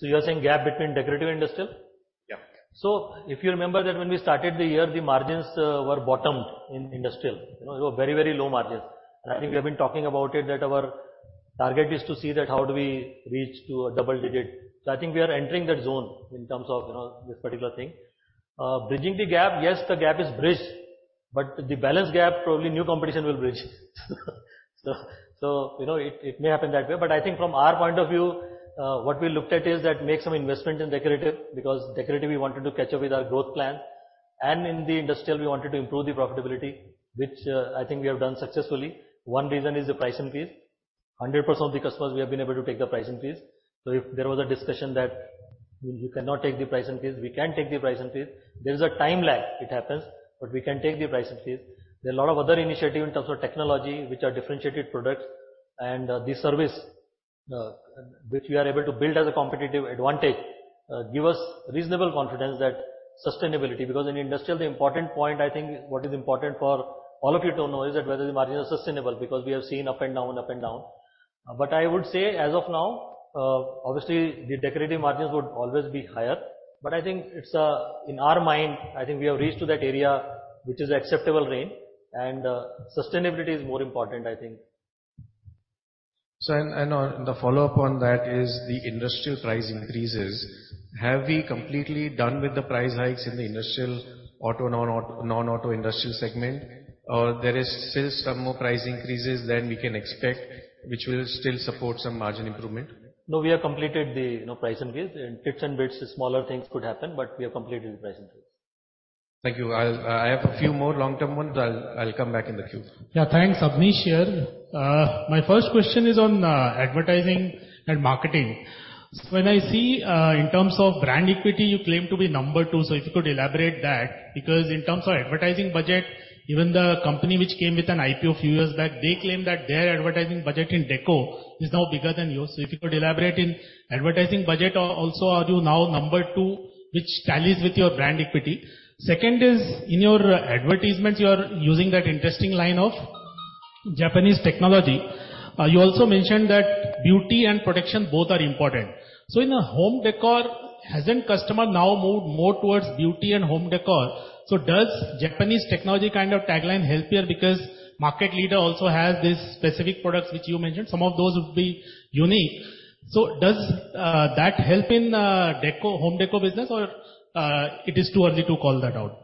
You're saying gap between decorative industrial? Yeah. If you remember that when we started the year, the margins were bottom in industrial. You know, they were very, very low margins. I think we have been talking about it, that our target is to see that how do we reach to a double digit. I think we are entering that zone in terms of, you know, this particular thing. Bridging the gap, yes, the gap is bridged, but the balance gap, probably new competition will bridge. You know, it may happen that way. I think from our point of view, what we looked at is that make some investment in decorative, because decorative we wanted to catch up with our growth plan. In the industrial, we wanted to improve the profitability, which I think we have done successfully. One reason is the price increase. 100% of the customers we have been able to take the price increase. If there was a discussion that we cannot take the price increase, we can take the price increase. There is a time lag, it happens, but we can take the price increase. There are a lot of other initiatives in terms of technology, which are differentiated products. The service, which we are able to build as a competitive advantage, give us reasonable confidence that sustainability. In industrial, the important point, I think what is important for all of you to know is that whether the margins are sustainable, because we have seen up and down, up and down. I would say as of now, obviously the decorative margins would always be higher, but I think it's in our mind, I think we have reached to that area which is acceptable range and sustainability is more important, I think. The follow-up on that is the industrial price increases. Have we completely done with the price hikes in the industrial auto, non-auto industrial segment? Or there is still some more price increases than we can expect, which will still support some margin improvement? We have completed the, you know, price increase and bits and bits, smaller things could happen, but we have completed the price increase. Thank you. I'll have a few more long-term ones. I'll come back in the queue. Yeah, thanks. Sure. My first question is on advertising and marketing. When I see in terms of brand equity, you claim to be number two, so if you could elaborate that, because in terms of advertising budget, even the company which came with an IPO a few years back, they claim that their advertising budget in deco is now bigger than yours. If you could elaborate in advertising budget also, are you now number two, which tallies with your brand equity? Second is, in your advertisements, you are using that interesting line of Japanese Technology. You also mentioned that beauty and protection, both are important. In a home decor, hasn't customer now moved more towards beauty and home decor? Does Japanese Technology kind of tagline help here market leader also has these specific products, which you mentioned, some of those would be unique. Does that help in deco, home deco business, or it is too early to call that out?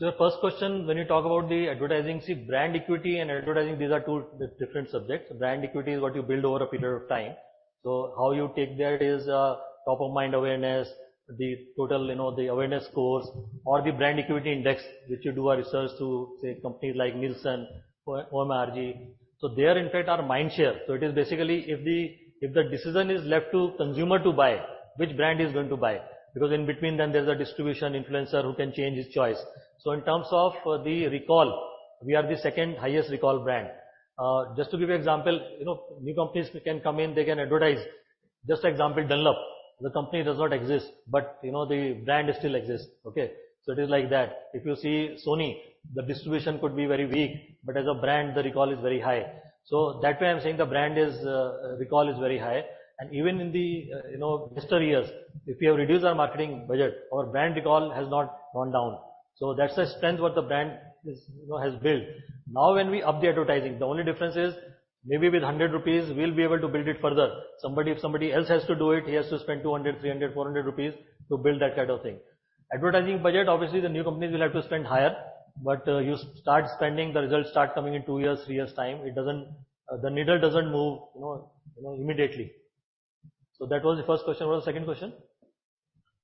Your first question, when you talk about the advertising, see, brand equity and advertising, these are two different subjects. Brand equity is what you build over a period of time. How you take that is top of mind awareness, the total, you know, the awareness scores or the brand equity index, which you do a research to, say, companies like Nielsen or ORG-MARG. They are in fact our mind share. It is basically if the decision is left to consumer to buy, which brand is going to buy? Because in between them there's a distribution influencer who can change his choice. In terms of the recall, we are the second-highest recall brand. Just to give you example, you know, new companies can come in, they can advertise. Just example, Dunlop, the company does not exist, you know, the brand still exists. It is like that. If you see Sony, the distribution could be very weak, as a brand, the recall is very high. That way I'm saying the brand is, recall is very high. Even in the, you know, past three years, if we have reduced our marketing budget, our brand recall has not gone down. That's the strength what the brand is, you know, has built. Now when we up the advertising, the only difference is maybe with 100 rupees we'll be able to build it further. If somebody else has to do it, he has to spend 200, 300, 400 rupees to build that kind of thing. Advertising budget, obviously, the new companies will have to spend higher. You start spending, the results start coming in two years, three years' time. The needle doesn't move, you know, immediately. That was the first question. What was the second question?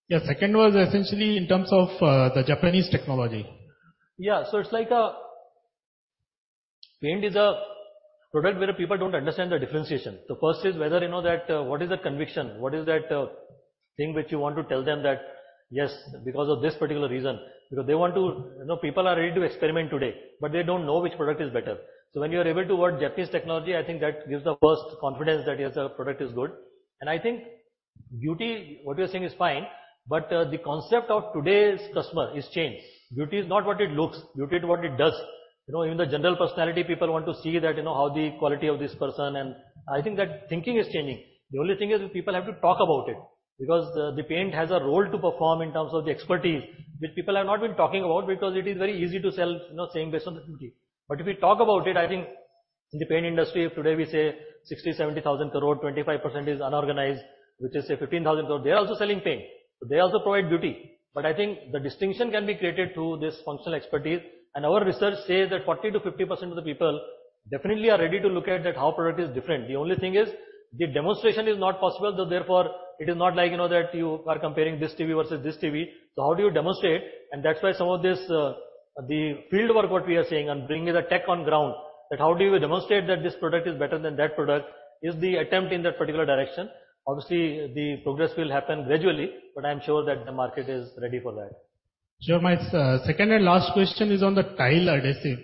Yeah. Second was essentially in terms of the Japanese technology. It's like Paint is a product where people don't understand the differentiation. The first is whether you know that, what is the conviction, what is that thing which you want to tell them that, yes, because of this particular reason, because they want to. You know, people are ready to experiment today, but they don't know which product is better. When you are able to word Japanese technology, I think that gives the first confidence that, yes, the product is good. I think beauty, what you're saying is fine, but the concept of today's customer is changed. Beauty is not what it looks, beauty is what it does. You know, even the general personality, people want to see that, you know, how the quality of this person, I think that thinking is changing. The only thing is people have to talk about it, because the paint has a role to perform in terms of the expertise, which people have not been talking about because it is very easy to sell, you know, saying based on the beauty. If we talk about it, I think in the paint industry today, we say 60,000, 70,000 crore, 25% is unorganized, which is say 15,000 crore. They're also selling paint. They also provide beauty. I think the distinction can be created through this functional expertise. Our research says that 40%-50% of the people definitely are ready to look at that, how product is different. The only thing is the demonstration is not possible, so therefore it is not like, you know, that you are comparing this TV versus this TV. How do you demonstrate? That's why some of this, the field work, what we are saying and bringing the tech on ground, that how do you demonstrate that this product is better than that product, is the attempt in that particular direction. Obviously, the progress will happen gradually, but I'm sure that the market is ready for that. Sure. My second and last question is on the tile adhesive.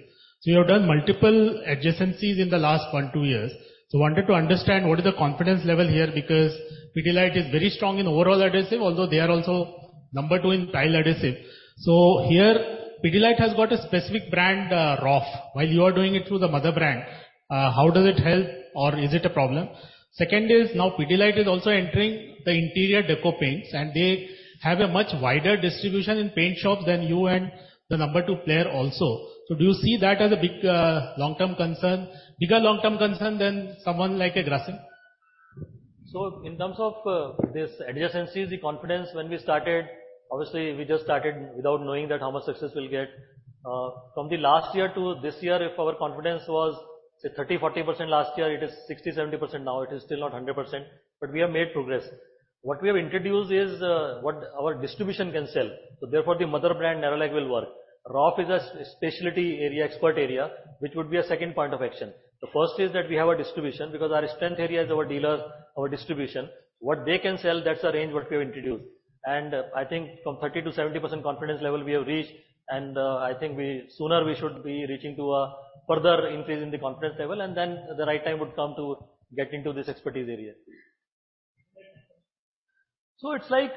You have done multiple adjacencies in the last one, two years. Wanted to understand what is the confidence level here, because Pidilite is very strong in overall adhesive, although they are also number two in tile adhesive. Here Pidilite has got a specific brand, Roff, while you are doing it through the mother brand. How does it help or is it a problem? Second is, now Pidilite is also entering the interior deco paints, and they have a much wider distribution in paint shops than you and the number two player also. Do you see that as a big, long-term concern, bigger long-term concern than someone like a Grasim? In terms of this adjacencies, the confidence when we started, obviously we just started without knowing that how much success we'll get. From the last year to this year if our confidence was, say, 30%-40% last year, it is 60%-70% now. It is still not 100%, but we have made progress. What we have introduced is what our distribution can sell. Therefore the mother brand Nerolac will work. Roff is a specialty area, expert area, which would be a second point of action. The first is that we have a distribution, because our strength area is our dealers, our distribution. What they can sell, that's the range what we have introduced. I think from 30% to 70% confidence level we have reached and, I think we, sooner we should be reaching to a further increase in the confidence level and then the right time would come to get into this expertise area. It's like,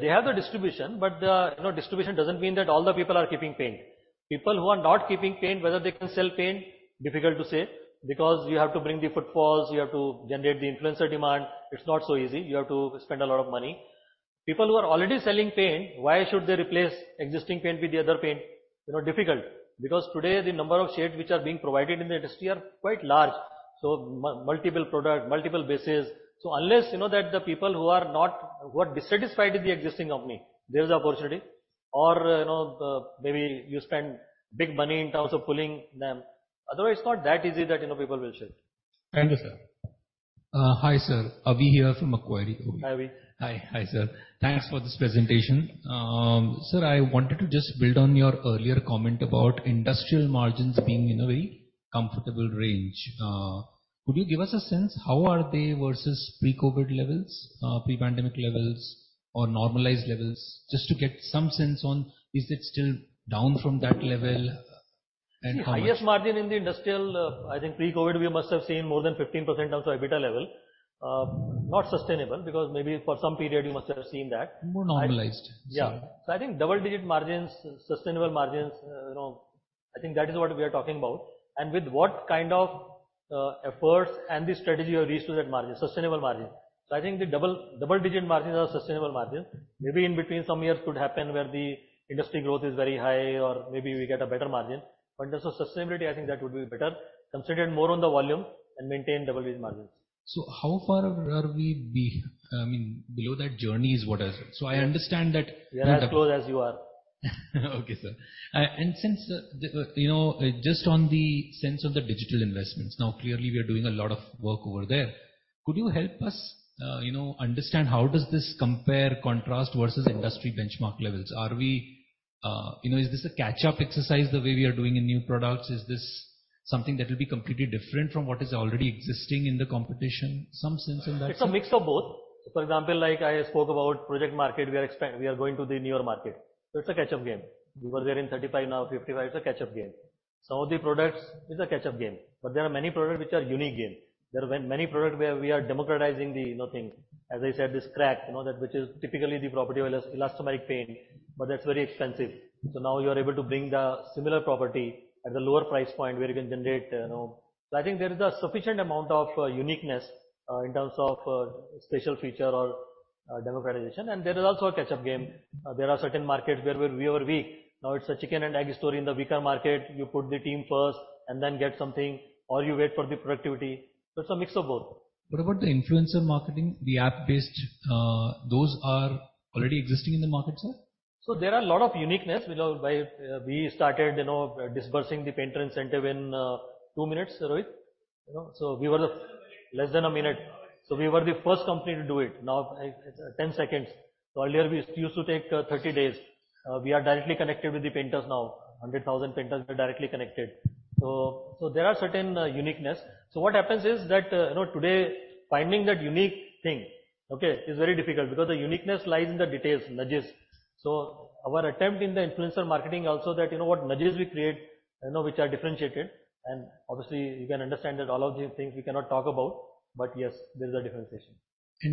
they have the distribution, but the, you know, distribution doesn't mean that all the people are keeping paint. People who are not keeping paint, whether they can sell paint, difficult to say, because you have to bring the footfalls, you have to generate the influencer demand. It's not so easy. You have to spend a lot of money. People who are already selling paint, why should they replace existing paint with the other paint? You know, difficult, because today the number of shades which are being provided in the industry are quite large. So multiple product, multiple bases. Unless you know that the people who are dissatisfied with the existing company, there's the opportunity. You know, maybe you spend big money in terms of pulling them. Otherwise, it's not that easy that, you know, people will shift. Understood. Hi sir. Avi here from Macquarie. Hi, Avi. Hi. Hi, sir. Thanks for this presentation. Sir, I wanted to just build on your earlier comment about industrial margins being in a very comfortable range. Could you give us a sense how are they versus pre-COVID levels, pre-pandemic levels or normalized levels? Just to get some sense on is it still down from that level and how much- The highest margin in the industrial, I think pre-COVID, we must have seen more than 15% down to EBITDA level. Not sustainable because maybe for some period you must have seen that. More normalized. Yeah. I think double-digit margins, sustainable margins, you know, I think that is what we are talking about and with what kind of efforts and the strategy you reach to that margin, sustainable margin. I think the double-digit margins are sustainable margin. Maybe in between some years could happen where the industry growth is very high or maybe we get a better margin, but in terms of sustainability, I think that would be better. Concentrate more on the volume and maintain double-digit margins. How far are we I mean, below that journey is what is. I understand. We are as close as you are. Okay, sir. Since, you know, just on the sense of the digital investments, now clearly we are doing a lot of work over there. Could you help us, you know, understand how does this compare, contrast versus industry benchmark levels? Are we, you know, is this a catch-up exercise the way we are doing in new products? Is this something that will be completely different from what is already existing in the competition? Some sense in that, sir? It's a mix of both. For example, like I spoke about project market, we are going to the newer market. It's a catch-up game. We were there in 35, now 55. It's a catch-up game. Some of the products, it's a catch-up game. There are many products which are unique game. There are many products where we are democratizing the, you know, things. As I said, this crack, you know, that which is typically the property of elastomeric paint, but that's very expensive. Now you are able to bring the similar property at a lower price point where you can generate, you know. I think there is a sufficient amount of uniqueness in terms of special feature or democratization. There is also a catch-up game. There are certain markets where we were weak. Now it's a chicken and egg story. In the weaker market, you put the team first and then get something, or you wait for the productivity. It's a mix of both. What about the influencer marketing, the app-based, those are already existing in the market, sir? There are a lot of uniqueness, you know. We started, you know, disbursing the painter incentive in two minutes, Rohit, you know. We were Less than a minute. Less than a minute. Less than a minute. We were the first company to do it. Now it's 10 seconds. Earlier, we used to take 30 days. We are directly connected with the painters now. 100,000 painters were directly connected. There are certain uniqueness. What happens is that, you know, today, finding that unique thing, okay, is very difficult because the uniqueness lies in the details, nudges. Our attempt in the influencer marketing also that, you know, what nudges we create, you know, which are differentiated. Obviously, you can understand that all of these things we cannot talk about. Yes, there is a differentiation.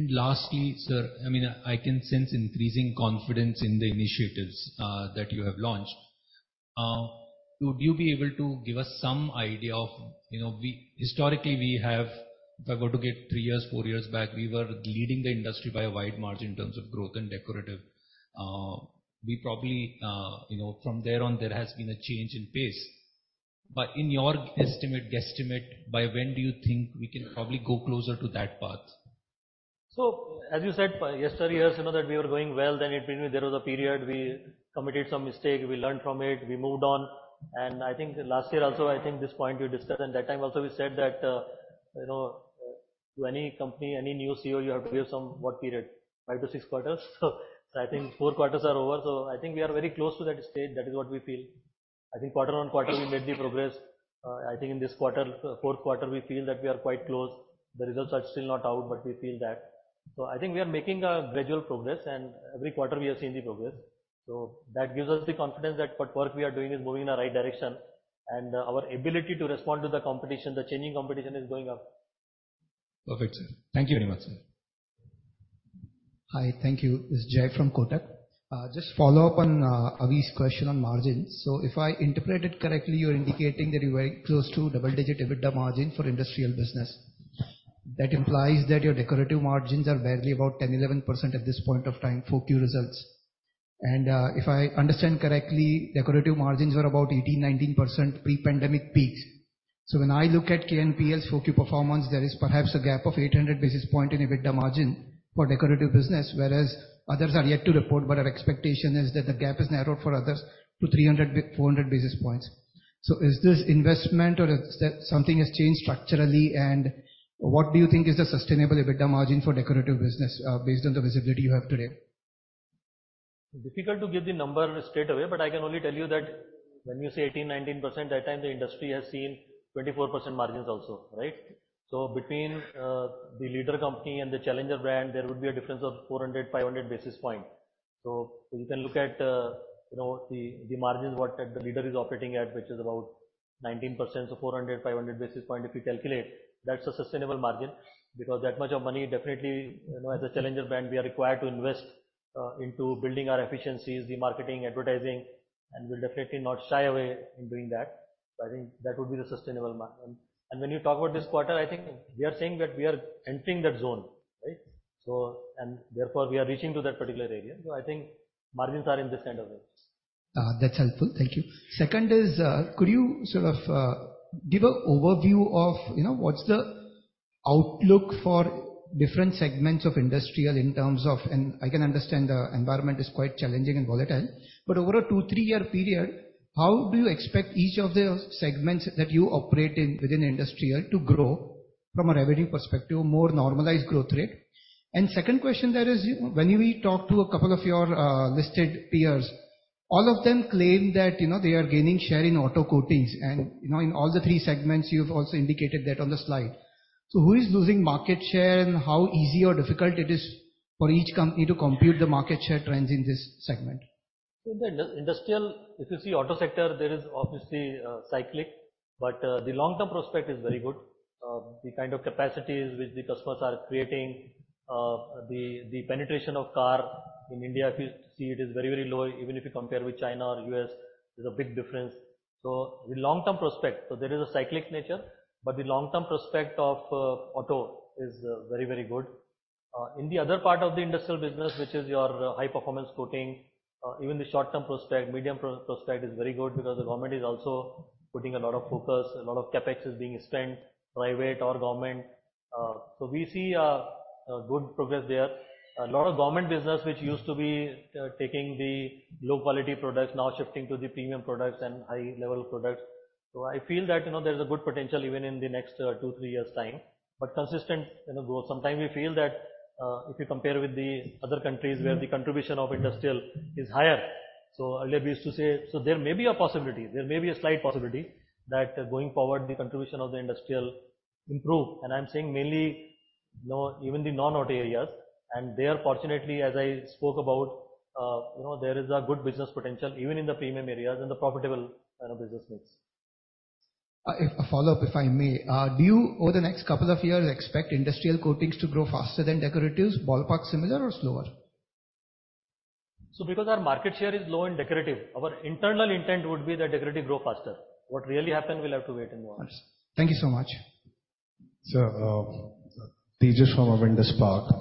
Lastly, sir, I mean, I can sense increasing confidence in the initiatives that you have launched. Would you be able to give us some idea of, you know, Historically, we have, if I go to get three years, four years back, we were leading the industry by a wide margin in terms of growth and decorative. We probably, you know, from there on, there has been a change in pace. In your estimate, guesstimate, by when do you think we can probably go closer to that path? As you said, yesterday years, you know that we were going well. Then in between there was a period we committed some mistake, we learned from it, we moved on. I think last year also, I think this point you discussed, and that time also we said that, you know, to any company, any new CEO, you have to give some what period? five to six quarters. I think four quarters are over. I think we are very close to that stage. That is what we feel. I think quarter-on-quarter we made the progress. I think in this quarter, fourth quarter, we feel that we are quite close. The results are still not out, but we feel that. I think we are making a gradual progress and every quarter we have seen the progress. That gives us the confidence that what work we are doing is moving in the right direction and our ability to respond to the competition, the changing competition is going up. Perfect, sir. Thank you very much, sir. Hi. Thank you. This is Jay from Kotak. Just follow up on Avi's question on margins. If I interpreted correctly, you're indicating that you're very close to double-digit EBITDA margin for industrial business. That implies that your decorative margins are barely about 10%, 11% at this point of time, 4Q results. If I understand correctly, decorative margins were about 18%, 19% pre-pandemic peak. When I look at KNPL's 4Q performance, there is perhaps a gap of 800 basis point in EBITDA margin for decorative business, whereas others are yet to report. Our expectation is that the gap is narrowed for others to 300 basis points, 400 basis points. Is this investment or is that something has changed structurally? What do you think is the sustainable EBITDA margin for decorative business, based on the visibility you have today? I can only tell you that when you say 18%-19%, that time the industry has seen 24% margins also, right? Between the leader company and the challenger brand, there would be a difference of 400 basis points-500 basis point. You can look at, you know, the margins what the leader is operating at, which is about 19%. 400 basis points-500 basis point, if you calculate, that's a sustainable margin, because that much of money, definitely, you know, as a challenger brand, we are required to invest into building our efficiencies, the marketing, advertising, and we'll definitely not shy away in doing that. When you talk about this quarter, I think we are saying that we are entering that zone, right? Therefore we are reaching to that particular area. I think margins are in this kind of range. That's helpful. Thank you. Second is, could you sort of give an overview of, you know, what's the outlook for different segments of industrial in terms of? I can understand the environment is quite challenging and volatile, but over a two, three-year period, how do you expect each of the segments that you operate in within industrial to grow from a revenue perspective, more normalized growth rate? Second question there is, when we talk to a couple of your listed peers, all of them claim that, you know, they are gaining share in auto coatings. In all the three segments, you've also indicated that on the slide. Who is losing market share, and how easy or difficult it is for you to compute the market share trends in this segment? In the industrial, if you see auto sector, there is obviously cyclic, but the long-term prospect is very good. The kind of capacities which the customers are creating, the penetration of car in India, if you see, it is very, very low, even if you compare with China or U.S., there's a big difference. The long-term prospect, so there is a cyclic nature, but the long-term prospect of auto is very, very good. In the other part of the industrial business, which is your high-performance coating, even the short-term prospect, medium prospect is very good because the government is also putting a lot of focus. A lot of CapEx is being spent, private or government. We see a good progress there. A lot of government business which used to be, taking the low-quality products, now shifting to the premium products and high-level products. I feel that, you know, there's a good potential even in the next, two, three years' time. Consistent, you know, growth. Sometimes we feel that, if you compare with the other countries where the contribution of industrial is higher. Earlier we used to say, so there may be a possibility, there may be a slight possibility that going forward, the contribution of the industrial improve. I'm saying mainly even the non-auto areas. There, fortunately, as I spoke about, you know, there is a good business potential even in the premium areas and the profitable, you know, business mix. A follow-up, if I may. Do you, over the next couple of years, expect industrial coatings to grow faster than decoratives, ballpark similar or slower? Because our market share is low in decorative, our internal intent would be that decorative grow faster. What really happen, we'll have to wait and watch. Thank you so much. Sir, Tejas from Avendus Spark.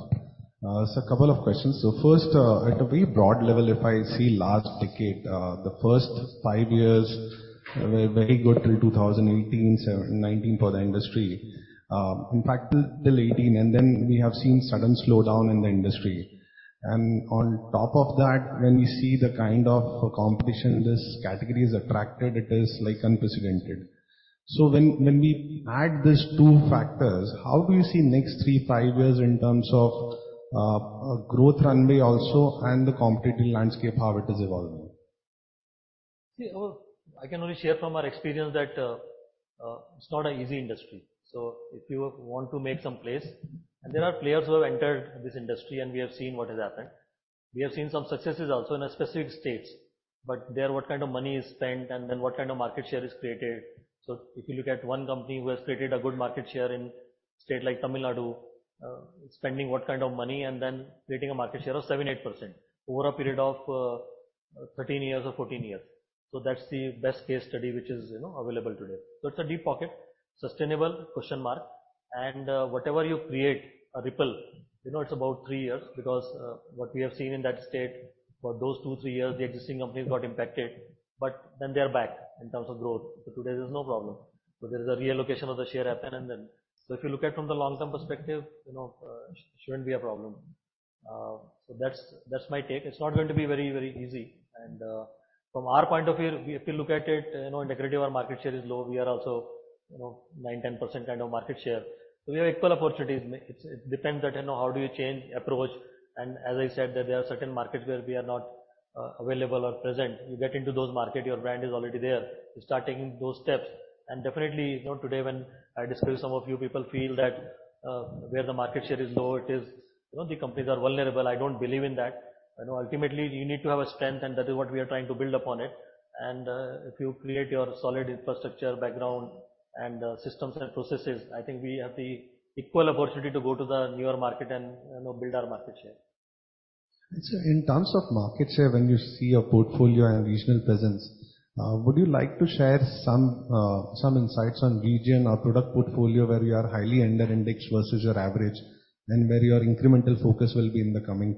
Sir, couple of questions. First, at a very broad level, if I see last decade, the first five years were very good till 2018, 2019 for the industry. In fact, till 2018, and then we have seen sudden slowdown in the industry. On top of that, when we see the kind of competition this category has attracted, it is, like, unprecedented. When we add these two factors, how do you see next three, five years in terms of growth runway also and the competitive landscape, how it is evolving? See, I can only share from our experience that it's not an easy industry. If you want to make some place, and there are players who have entered this industry and we have seen what has happened. We have seen some successes also in a specific states. There, what kind of money is spent and then what kind of market share is created. If you look at one company who has created a good market share in state like Tamil Nadu, spending what kind of money and then creating a market share of 7%, 8% over a period of 13 years or 14 years. That's the best case study which is, you know, available today. It's a deep pocket. Sustainable, question mark. Whatever you create a ripple, you know, it's about three years because what we have seen in that state for those two, three years, the existing companies got impacted, they are back in terms of growth. Today there's no problem. There is a reallocation of the share happen. If you look at from the long-term perspective, you know, shouldn't be a problem. That's my take. It's not going to be very, very easy. From our point of view, if you look at it, you know, in decorative our market share is low. We are also, you know, 9%, 10% kind of market share. We have equal opportunities. It depends that, you know, how do you change approach. As I said that there are certain markets where we are not available or present. You get into those market, your brand is already there. You start taking those steps. Definitely, you know, today when I discuss, some of you people feel that where the market share is low, it is, you know, the companies are vulnerable. I don't believe in that. You know, ultimately, you need to have a strength, and that is what we are trying to build upon it. If you create your solid infrastructure background and systems and processes, I think we have the equal opportunity to go to the newer market and, you know, build our market share. Sir, in terms of market share, when you see your portfolio and regional presence, would you like to share some insights on region or product portfolio where you are highly under indexed versus your average, and where your incremental focus will be in the coming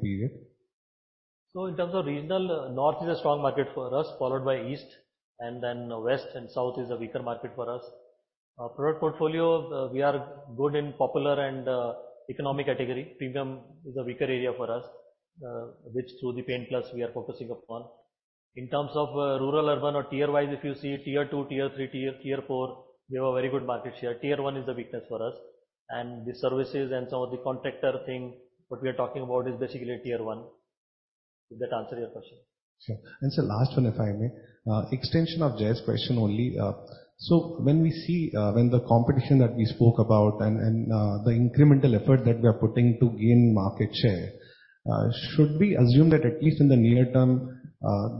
period? In terms of regional, North is a strong market for us, followed by East, West and South is a weaker market for us. Our product portfolio, we are good in popular and economic category. Premium is a weaker area for us, which through the Paint+ we are focusing upon. In terms of rural, urban or tier-wise, if you see Tier 2, Tier 3, Tier 4, we have a very good market share. Tier 1 is the weakness for us. The services and some of the contractor thing, what we are talking about is basically Tier 1. Does that answer your question? Okay. Last one, if I may. Extension of Jay's question only. When we see, when the competition that we spoke about and the incremental effort that we are putting to gain market share, should we assume that at least in the near term,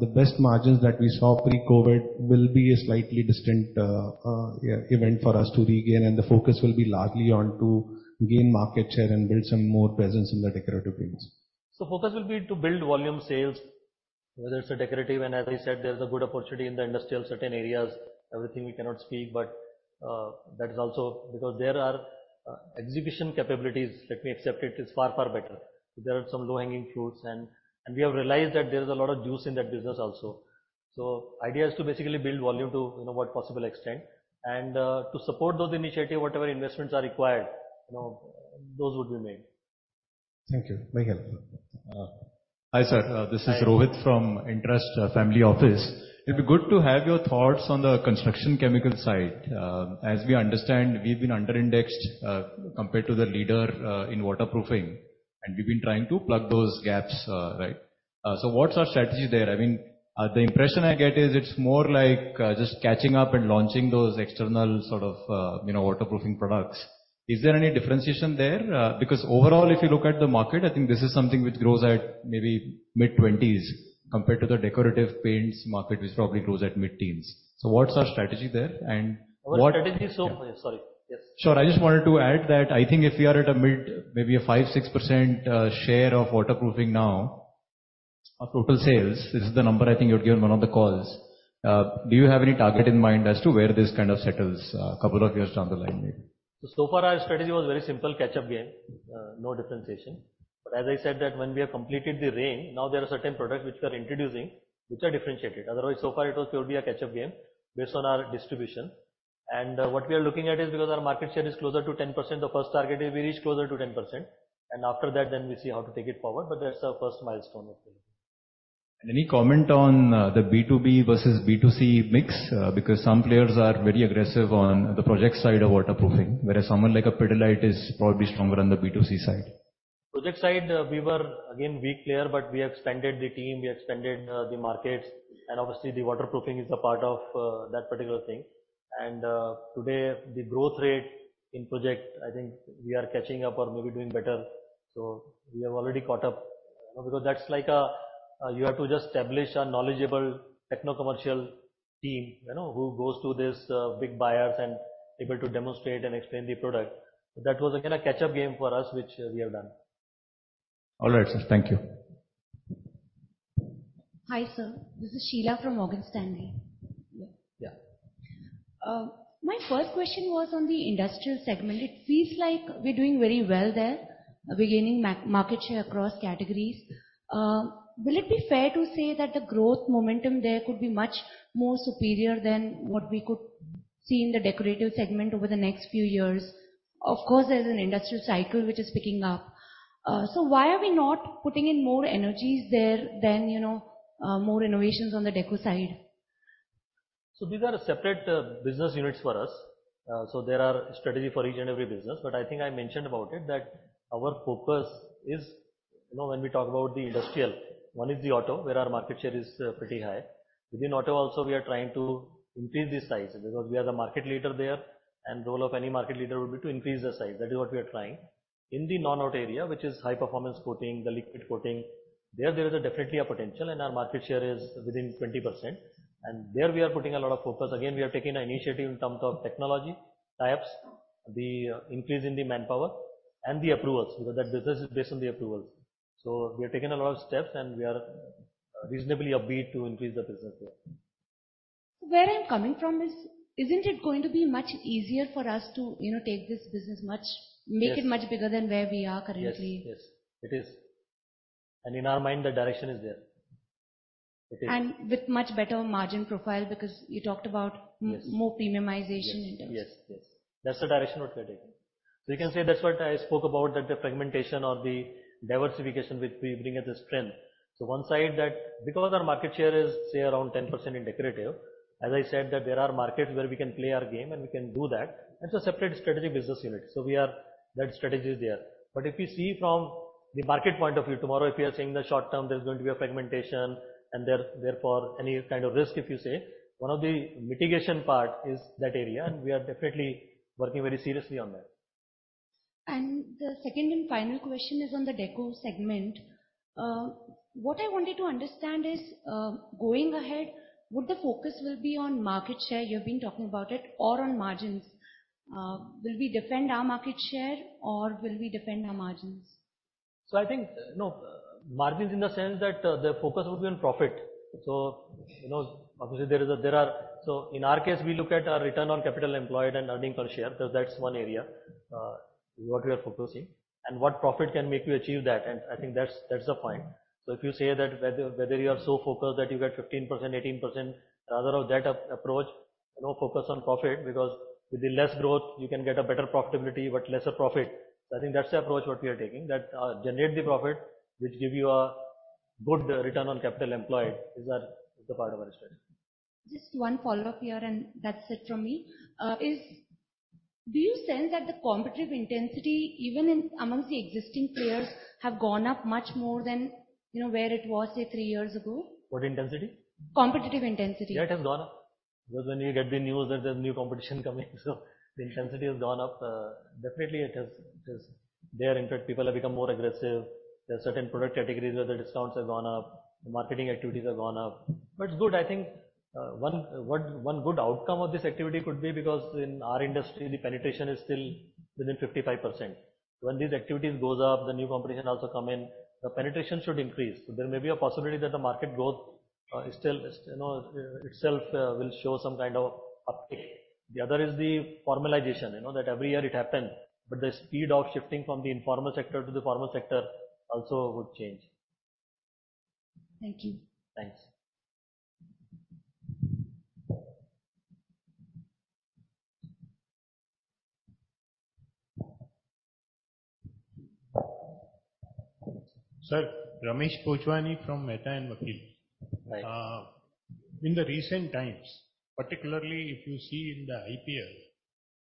the best margins that we saw pre-COVID will be a slightly distant event for us to regain and the focus will be largely on to gain market share and build some more presence in the decorative paints? Focus will be to build volume sales, whether it's a decorative and as I said, there's a good opportunity in the industrial certain areas. Everything we cannot speak, but that is also because there are execution capabilities. Let me accept it's far, far better. There are some low-hanging fruits and we have realized that there is a lot of juice in that business also. Idea is to basically build volume to, you know, what possible extent and to support those initiatives, whatever investments are required, you know, those would be made. Thank you. Very helpful. Hi, sir. Hi. This is Rohit from Entrust Family Office. It'd be good to have your thoughts on the construction chemical side. As we understand, we've been under-indexed, compared to the leader, in waterproofing, and we've been trying to plug those gaps, right. What's our strategy there? I mean, the impression I get is it's more like just catching up and launching those external sort of, you know, waterproofing products. Is there any differentiation there? Overall, if you look at the market, I think this is something which grows at maybe mid-20s compared to the decorative paints market, which probably grows at mid-teens. What's our strategy there? What Our strategy, so, Sorry. Yes. Sure. I just wanted to add that I think if we are at a mid, maybe a 5%, 6% share of waterproofing now of total sales, this is the number I think you had given one of the calls. Do you have any target in mind as to where this kind of settles a couple of years down the line maybe? Far our strategy was very simple, catch-up game, no differentiation. As I said that when we have completed the range, now there are certain products which we are introducing which are differentiated. Otherwise, so far it was purely a catch-up game based on our distribution. What we are looking at is because our market share is closer to 10%, the first target is we reach closer to 10%, and after that then we see how to take it forward. That's our first milestone, I think. Any comment on the B2B versus B2C mix? Because some players are very aggressive on the project side of waterproofing, whereas someone like a Pidilite is probably stronger on the B2C side. Project side, we were again weak player, but we expanded the team, we expanded the markets, and obviously the waterproofing is a part of that particular thing. Today the growth rate in project, I think we are catching up or maybe doing better. We have already caught up. That's like, you have to just establish a knowledgeable techno commercial team, you know, who goes to these big buyers and able to demonstrate and explain the product. That was again a catch-up game for us, which we have done. All right, sir. Thank you. Hi, sir. This is Sheela from Morgan Stanley. Yeah. My first question was on the industrial segment. It seems like we're doing very well there. We're gaining market share across categories. Will it be fair to say that the growth momentum there could be much more superior than what we could see in the decorative segment over the next few years? Of course, there's an industrial cycle which is picking up. Why are we not putting in more energies there than, you know, more innovations on the deco side? These are separate business units for us. There are strategy for each and every business. I think I mentioned about it that our focus is, you know, when we talk about the industrial, one is the auto, where our market share is pretty high. Within auto also, we are trying to increase the size because we are the market leader there, and role of any market leader would be to increase the size. That is what we are trying. In the non-auto area, which is high-performance coating, the liquid coating, there is a definitely a potential, and our market share is within 20%. There we are putting a lot of focus. We have taken an initiative in terms of technology tie-ups, the increase in the manpower and the approvals, because that business is based on the approvals. We are taking a lot of steps and we are reasonably upbeat to increase the business there. Where I'm coming from is, isn't it going to be much easier for us to, you know, take this business? Yes. Make it much bigger than where we are currently? Yes. Yes, it is. In our mind, the direction is there. It is. With much better margin profile, because you talked about more premiumization in terms. Yes. Yes. Yes. That's the direction what we are taking. You can say that's what I spoke about, that the fragmentation or the diversification which we bring as a strength. One side that because our market share is, say, around 10% in decorative, as I said that there are markets where we can play our game and we can do that. That's a separate strategic business unit. That strategy is there. If you see from the market point of view, tomorrow if you are saying the short term, there's going to be a fragmentation and therefore any kind of risk if you say, one of the mitigation part is that area, and we are definitely working very seriously on that. The second and final question is on the deco segment. What I wanted to understand is, going ahead, would the focus will be on market share, you've been talking about it, or on margins? Will we defend our market share or will we defend our margins? I think, no, margins in the sense that the focus would be on profit. You know, obviously there is a, in our case, we look at our return on capital employed and earning per share, because that's one area, what we are focusing and what profit can make you achieve that. I think that's the point. If you say that whether you are so focused that you get 15%, 18% rather of that approach, you know, focus on profit, because with the less growth you can get a better profitability but lesser profit. I think that's the approach what we are taking, that, generate the profit which give you a good return on capital employed is our, is the part of our strategy. Just one follow-up here and that's it from me. Do you sense that the competitive intensity, even in amongst the existing players, have gone up much more than, you know, where it was, say, three years ago? What intensity? Competitive intensity. Yeah, it has gone up. When you get the news that there's new competition coming, so the intensity has gone up. Definitely it has, 'cause there, in fact, people have become more aggressive. There are certain product categories where the discounts have gone up, the marketing activities have gone up. It's good. I think, one good outcome of this activity could be because in our industry, the penetration is still within 55%. When these activities goes up, the new competition also come in, the penetration should increase. There may be a possibility that the market growth, is still, you know, itself, will show some kind of uptick. The other is the formalization, you know, that every year it happen, but the speed of shifting from the informal sector to the formal sector also would change. Thank you. Thanks. Sir, Ramesh Bhojwani from Mehta & Vakil. Right. In the recent times, particularly if you see in the IPL,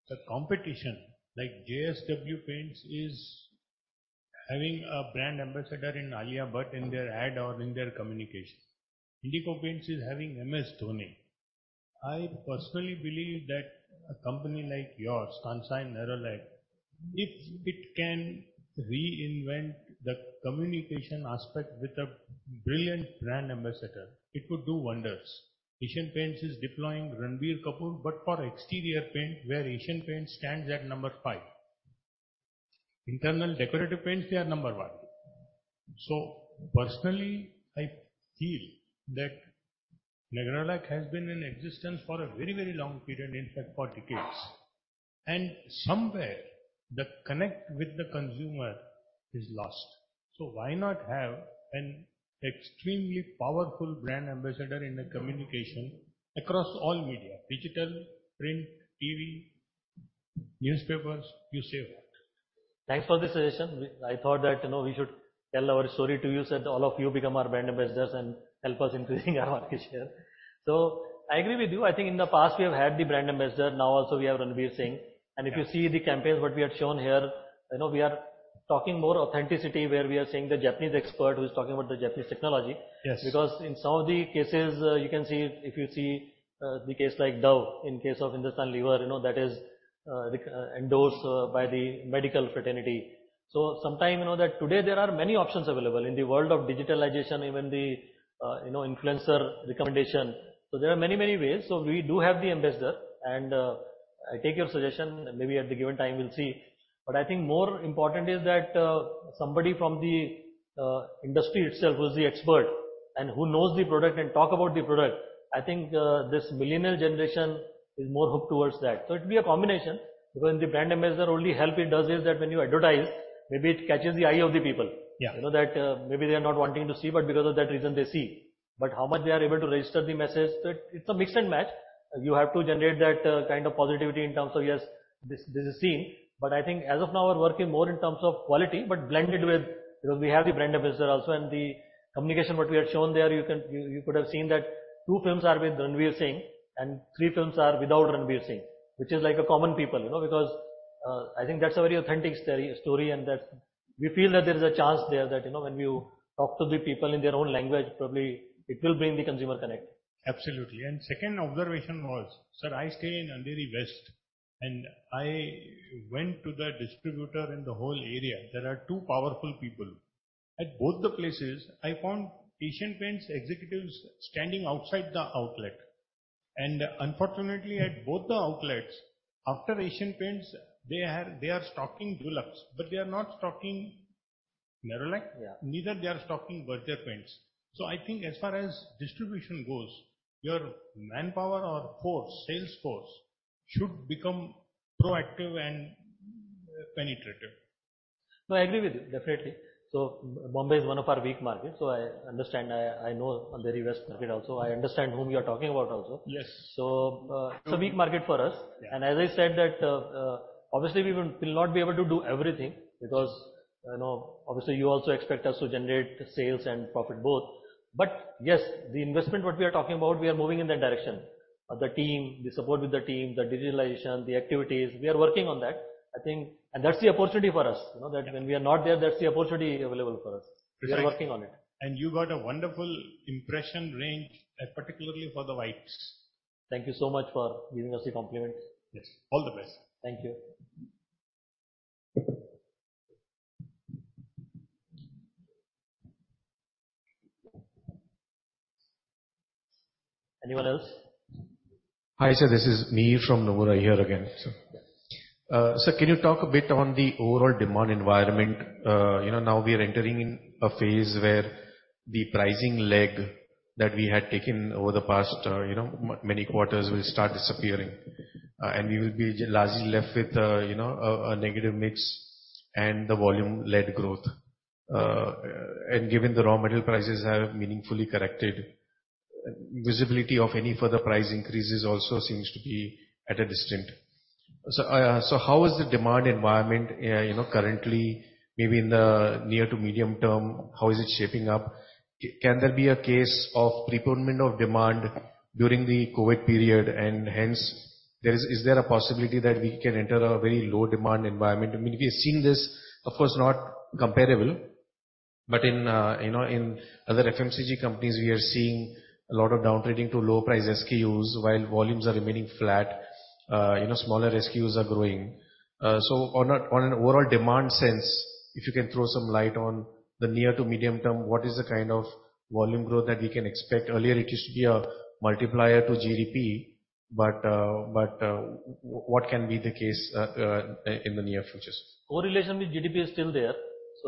the competition like JSW Paints is having a brand ambassador in Alia Bhatt in their ad or in their communication. Indigo Paints is having MS Dhoni. I personally believe that a company like yours, Kansai Nerolac, if it can reinvent the communication aspect with a brilliant brand ambassador, it would do wonders. Asian Paints is deploying Ranbir Kapoor, but for exterior paint, where Asian Paints stands at number five. Internal decorative paints, they are number one. Personally, I feel that Nerolac has been in existence for a very, very long period, in fact for decades. Somewhere the connect with the consumer is lost. Why not have an extremely powerful brand ambassador in the communication across all media, digital, print, TV, newspapers? You say what? Thanks for the suggestion. I thought that, you know, we should tell our story to you, so that all of you become our brand ambassadors and help us increasing our market share. I agree with you. I think in the past we have had the brand ambassador, now also we have Ranveer Singh. If you see the campaigns, what we had shown here, you know, we are talking more authenticity, where we are seeing the Japanese expert who is talking about the Japanese technology. Yes. Because in some of the cases you can see, if you see, the case like Dove, in case of Hindustan Lever, you know, that is endorsed by the medical fraternity. Sometime, you know, that today there are many options available in the world of digitalization, even the, you know, influencer recommendation. There are many, many ways. We do have the ambassador and, I take your suggestion, and maybe at the given time we'll see. I think more important is that somebody from the industry itself who's the expert and who knows the product and talk about the product. I think this millennial generation is more hooked towards that. It'd be a combination, because the brand ambassador, only help it does is that when you advertise, maybe it catches the eye of the people. Yeah. You know, that maybe they are not wanting to see, because of that reason they see. How much they are able to register the message, that it's a mix and match. You have to generate that kind of positivity in terms of, yes, this is seen. I think as of now we're working more in terms of quality, but blended with... We have the brand ambassador also, and the communication what we had shown there, you could have seen that two films are with Ranveer Singh and three films are without Ranveer Singh, which is like a common people, you know. I think that's a very authentic story, and that we feel that there is a chance there that, you know, when you talk to the people in their own language, probably it will bring the consumer connect. Absolutely. Second observation was, sir, I stay in Andheri West, and I went to the distributor in the whole area. There are two powerful people. At both the places I found Asian Paints executives standing outside the outlet. Unfortunately, at both the outlets after Asian Paints, they are stocking Dulux, but they are not stocking Nerolac. Yeah. Neither they are stocking Berger Paints. I think as far as distribution goes, your manpower or force, sales force should become proactive and penetrative. No, I agree with you, definitely. Mumbai is one of our weak markets, so I understand. I know Andheri West market also. I understand whom you are talking about also. Yes. It's a weak market for us. Yeah. As I said that, obviously we will not be able to do everything because, you know, obviously you also expect us to generate sales and profit both. Yes, the investment what we are talking about, we are moving in that direction. The team, the support with the team, the digitalization, the activities, we are working on that. I think. That's the opportunity for us, you know. That when we are not there, that's the opportunity available for us. Precisely. We are working on it. You got a wonderful impression range, particularly for the whites. Thank you so much for giving us the compliment. Yes. All the best. Thank you. Anyone else? Hi sir, this is Mihir from Nomura here again, sir. Yes. Sir, can you talk a bit on the overall demand environment? You know, now we are entering in a phase where the pricing leg that we had taken over the past, you know, many quarters will start disappearing, and we will be largely left with, you know, a negative mix and the volume-led growth. Given the raw material prices have meaningfully corrected, visibility of any further price increases also seems to be at a distance. How is the demand environment, you know, currently? Maybe in the near to medium term, how is it shaping up? Can there be a case of preponement of demand during the COVID period and hence is there a possibility that we can enter a very low demand environment? I mean, we have seen this, of course, not comparable. But in, you know, in other FMCG companies, we are seeing a lot of down-trading to low price SKUs while volumes are remaining flat. You know, smaller SKUs are growing. On a, on an overall demand sense, if you can throw some light on the near to medium term, what is the kind of volume growth that we can expect? Earlier it used to be a multiplier to GDP, what can be the case in the near future, sir? Correlation with GDP is still there.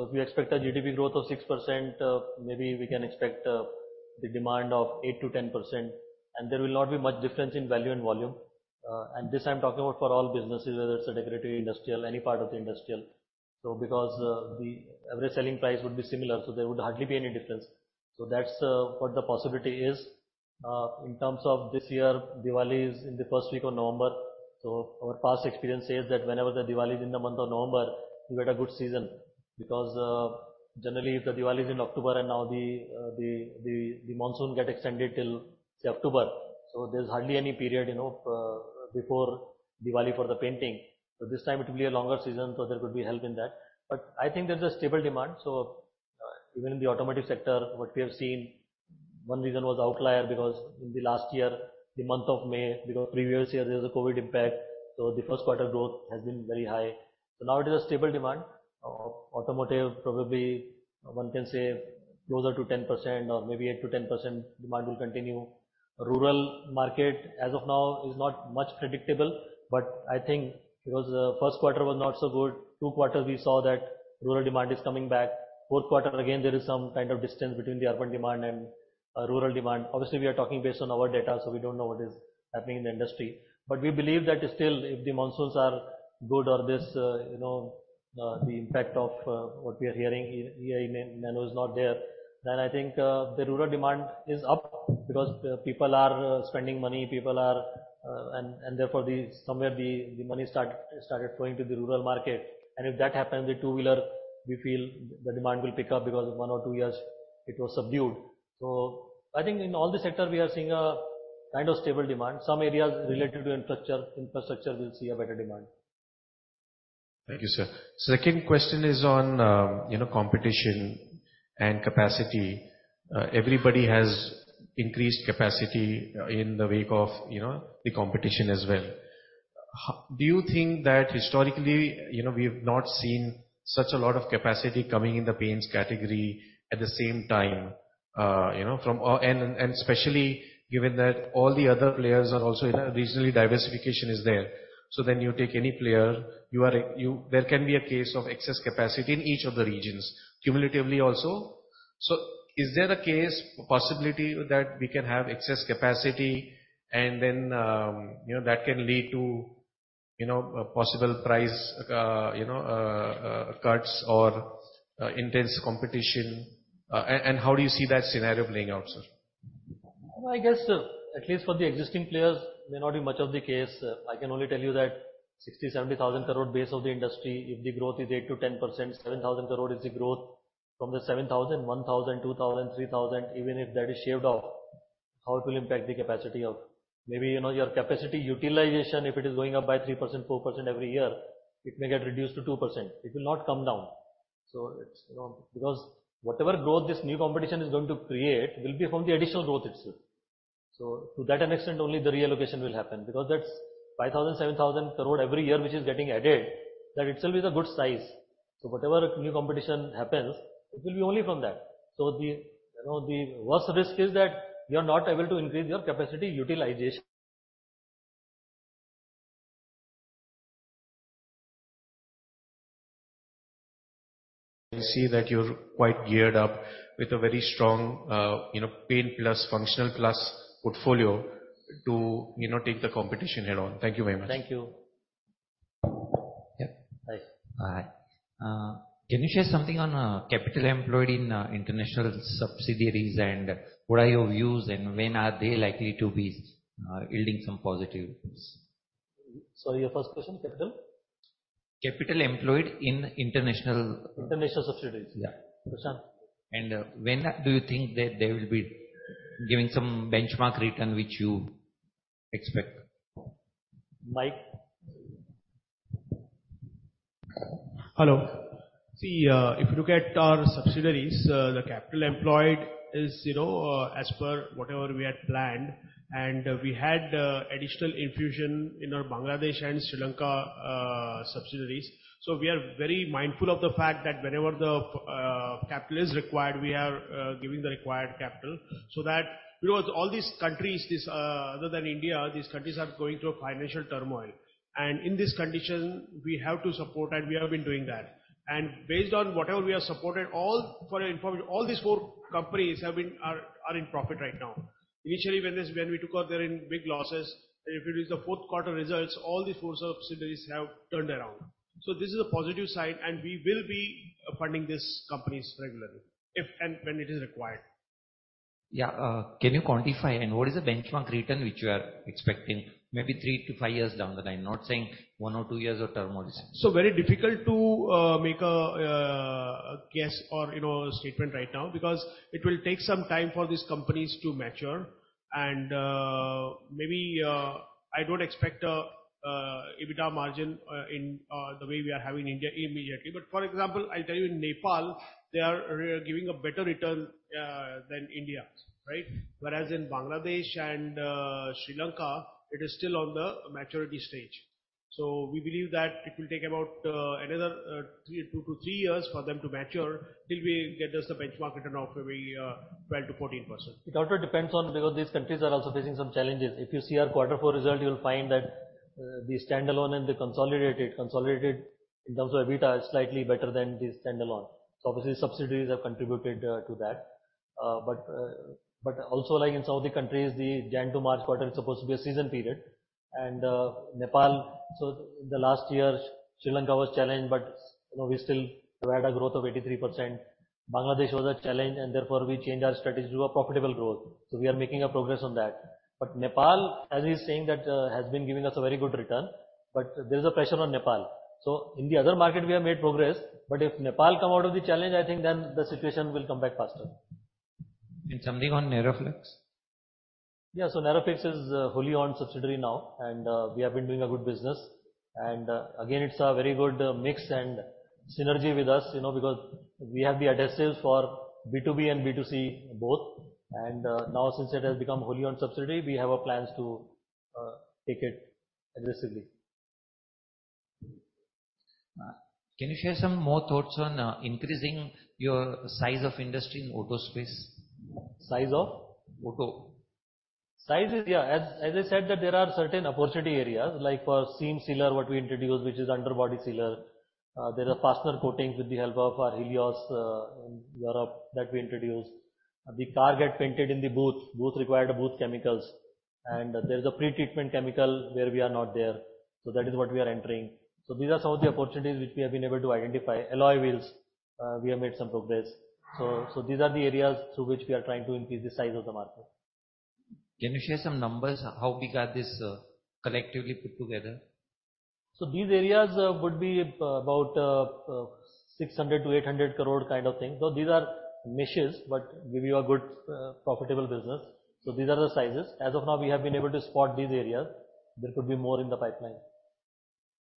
If we expect a GDP growth of 6%, maybe we can expect the demand of 8%-10%, and there will not be much difference in value and volume. This I'm talking about for all businesses, whether it's a decorative, industrial, any part of the industrial. Because the average selling price would be similar, so there would hardly be any difference. That's what the possibility is. In terms of this year, Diwali is in the 1st week of November, so our past experience says that whenever Diwali is in the month of November, we get a good season because generally Diwali is in October and now the monsoon get extended till, say, October. There's hardly any period, you know, before Diwali for the painting. This time it will be a longer season, so there could be help in that. I think there's a stable demand. Even in the automotive sector, what we have seen, one reason was outlier, because in the last year, the month of May, because previous year there was a COVID impact, so the First quarter growth has been very high. Now it is a stable demand. Automotive probably one can say closer to 10% or maybe 8%-10% demand will continue. Rural market as of now is not much predictable, but I think because, First quarter was not so good, two quarters we saw that rural demand is coming back. Fourth quarter, again, there is some kind of distance between the urban demand and rural demand. We are talking based on our data, so we don't know what is happening in the industry. We believe that still if the monsoons are good or this, you know, the impact of what we are hearing, El Niño is not there, then I think the rural demand is up because people are spending money, people are. Therefore somewhere the money started flowing to the rural market. If that happens, the two-wheeler, we feel the demand will pick up because one or two years it was subdued. I think in all the sector we are seeing a kind of stable demand. Some areas related to infrastructure will see a better demand. Thank you, sir. Second question is on, you know, competition and capacity. Everybody has increased capacity in the wake of, you know, the competition as well. Do you think that historically, you know, we've not seen such a lot of capacity coming in the paints category at the same time, you know, especially given that all the other players are also in a. Regional diversification is there. Then you take any player, you are a, there can be a case of excess capacity in each of the regions, cumulatively also. Is there a case, possibility that we can have excess capacity and then, you know, that can lead to, you know, possible price, you know, cuts or, intense competition? And how do you see that scenario playing out, sir? No, I guess, at least for the existing players, may not be much of the case. I can only tell you that 60,000-70,000 crore base of the industry, if the growth is 8%-10%, 7,000 crore is the growth. From the 7,000, 1,000, 2,000, 3,000, even if that is shaved off, how it will impact the capacity of. Maybe, you know, your capacity utilization, if it is going up by 3%, 4% every year, it may get reduced to 2%. It will not come down. It's, you know, because whatever growth this new competition is going to create will be from the additional growth itself. To that extent, only the reallocation will happen because that's 5,000-7,000 crore every year which is getting added, that itself is a good size. Whatever new competition happens, it will be only from that. The, you know, the worst risk is that you are not able to increase your capacity utilization. See that you're quite geared up with a very strong, you know, Paint+ functional plus portfolio to, you know, take the competition head on. Thank you very much. Thank you. Yeah. Hi. Hi. Can you share something on capital employed in international subsidiaries. What are your views and when are they likely to be yielding some positive things? Sorry, your first question, capital? Capital employed. International subsidiaries. Yeah. Prashant. When do you think that they will be giving some benchmark return which you expect? Mic? Hello. See, if you look at our subsidiaries, the capital employed is, you know, as per whatever we had planned. We had additional infusion in our Bangladesh and Sri Lanka subsidiaries. We are very mindful of the fact that whenever the capital is required, we are giving the required capital so that, you know, all these countries, this other than India, these countries are going through a financial turmoil. In this condition we have to support and we have been doing that. Based on whatever we have supported, all, for your information, all these four companies are in profit right now. Initially when we took over they were in big losses. If it is the fourth quarter results, all these four subsidiaries have turned around. This is a positive sign and we will be funding these companies regularly if and when it is required. Yeah. Can you quantify and what is the benchmark return which you are expecting maybe three to five years down the line? Not saying one or two years of turmoil is- Very difficult to make a guess or you know, a statement right now because it will take some time for these companies to mature. Maybe I don't expect a EBITDA margin in the way we are having India immediately. For example, I'll tell you in Nepal, they are giving a better return than India, right? Whereas in Bangladesh and Sri Lanka, it is still on the maturity stage. We believe that it will take about another two to three years for them to mature till we get just a benchmark return of maybe 12%-14%. It also depends on because these countries are also facing some challenges. If you see our Q4 result, you will find that the stand-alone and the consolidated. Consolidated in terms of EBITDA is slightly better than the stand-alone. Obviously subsidiaries have contributed to that. But also like in some of the countries, the January to March quarter is supposed to be a season period. Nepal, the last year Sri Lanka was challenged, but you know, we still provided growth of 83%. Bangladesh was a challenge and therefore we changed our strategy to a profitable growth. We are making a progress on that. Nepal, as he's saying, that has been giving us a very good return. There is a pressure on Nepal. In the other market we have made progress. If Nepal come out of the challenge, I think then the situation will come back faster. Something on Nerofix? Yeah. So Nerofix is wholly owned subsidiary now, and we have been doing a good business. Again, it's a very good mix and synergy with us, you know, because we have the adhesives for B2B and B2C both. Now since it has become wholly owned subsidiary, we have a plans to take it aggressively. Can you share some more thoughts on increasing your size of industry in auto space? Size of? Auto. Size is, yeah. As I said, that there are certain opportunity areas like for seam sealer, what we introduced, which is underbody sealer. There are fastener coatings with the help of our Helios in Europe that we introduced. The car get painted in the booth. Booth required a booth chemicals. There is a pre-treatment chemical where we are not there. That is what we are entering. These are some of the opportunities which we have been able to identify. Alloy wheels, we have made some progress. These are the areas through which we are trying to increase the size of the market. Can you share some numbers how big are these, collectively put together? These areas would be about 600 crore-800 crore kind of thing. These are niches, but give you a good, profitable business. These are the sizes. As of now, we have been able to spot these areas. There could be more in the pipeline.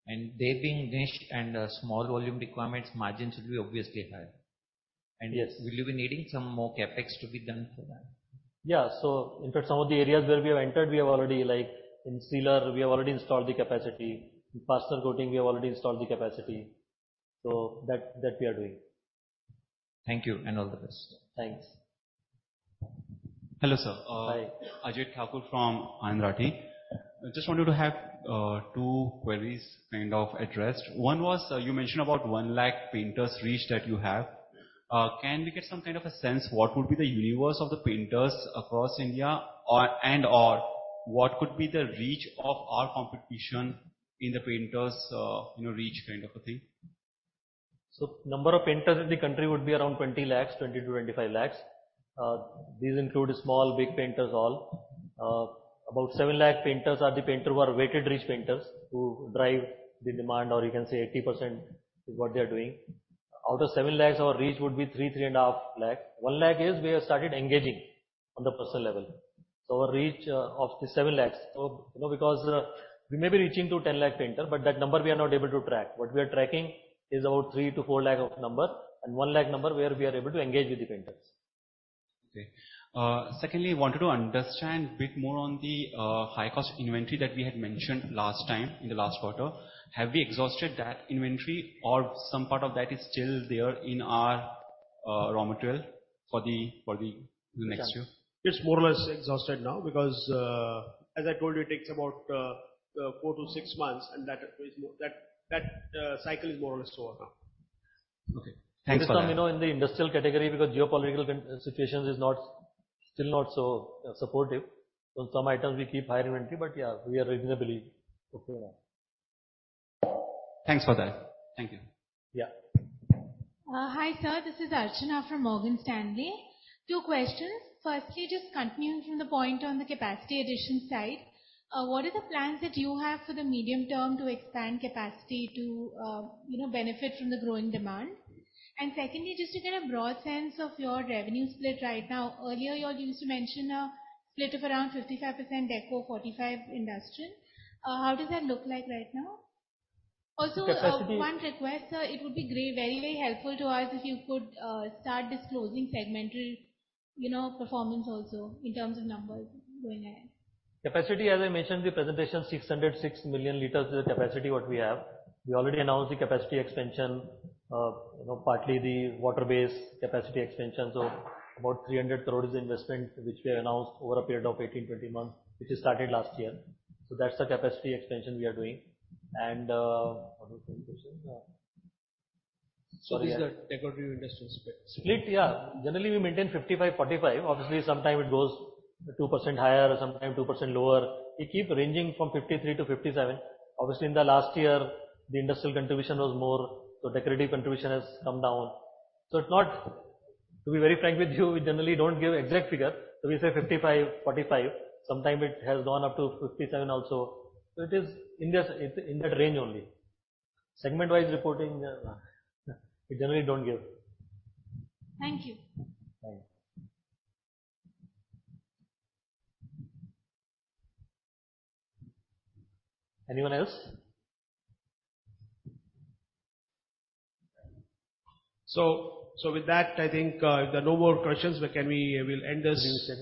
They being niche and small volume requirements, margins will be obviously higher. Yes, will you be needing some more CapEx to be done for that? Yeah. In fact, some of the areas where we have entered, we have already like in sealer, we have already installed the capacity. In fastener coating, we have already installed the capacity. That we are doing. Thank you and all the best. Thanks. Hello, sir. Hi. Ajay Thakur from Anand Rathi. I just wanted to have two queries kind of addressed. One was, you mentioned about 1 lakh painters reach that you have. Can we get some kind of a sense what would be the universe of the painters across India or, and or what could be the reach of our competition in the painters, you know, reach kind of a thing? Number of painters in the country would be around 20 lakhs, 20 lakhs-25 lakhs. These include small, big painters all. About 7 lakh painters are the painter who are weighted reach painters, who drive the demand or you can say 80% is what they are doing. Out of 7 lakhs, our reach would be 3.5 lakh. 1 lakh is we have started engaging on the personal level. Our reach of the 7 lakhs. You know, because we may be reaching to 10 lakh painter, but that number we are not able to track. What we are tracking is about 3 lakh-4 lakh of number and 1 lakh number where we are able to engage with the painters. Okay. Secondly, I wanted to understand bit more on the high cost inventory that we had mentioned last time in the last quarter. Have we exhausted that inventory or some part of that is still there in our raw material for the next year? It's more or less exhausted now because, as I told you, it takes about, four to six months, and that cycle is more or less over now. Okay. Thanks for that. This time, you know, in the industrial category because geopolitical situations is not, still not so supportive. Some items we keep higher inventory. Yeah, we are reasonably okay now. Thanks for that. Thank you. Yeah. Hi sir, this is Archana from Morgan Stanley. Two questions. Firstly, just continuing from the point on the capacity addition side, what are the plans that you have for the medium term to expand capacity to, you know, benefit from the growing demand? Secondly, just to get a broad sense of your revenue split right now. Earlier, you all used to mention a split of around 55% deco, 45% industrial. How does that look like right now? One request, sir. It would be great, very, very helpful to us if you could start disclosing segmental, you know, performance also in terms of numbers going ahead. Capacity, as I mentioned in the presentation, 606 million liters is the capacity what we have. We already announced the capacity expansion of, you know, partly the water-based capacity extension. About 300 crore is the investment which we have announced over a period of 18, 20 months, which has started last year. That's the capacity expansion we are doing. What was the other question? Sorry. These are decorative industrial split. Split, yeah. Generally, we maintain 55%-45%. Obviously, sometime it goes 2% higher or sometime 2% lower. We keep ranging from 53%-57%. In the last year the industrial contribution was more, decorative contribution has come down. To be very frank with you, we generally don't give exact figure. We say 55%-45%. Sometime it has gone up to 57% also. It is in this, in that range only. Segment-wise reporting, we generally don't give. Thank you. Thanks. Anyone else? With that, I think, if there are no more questions, we'll end this.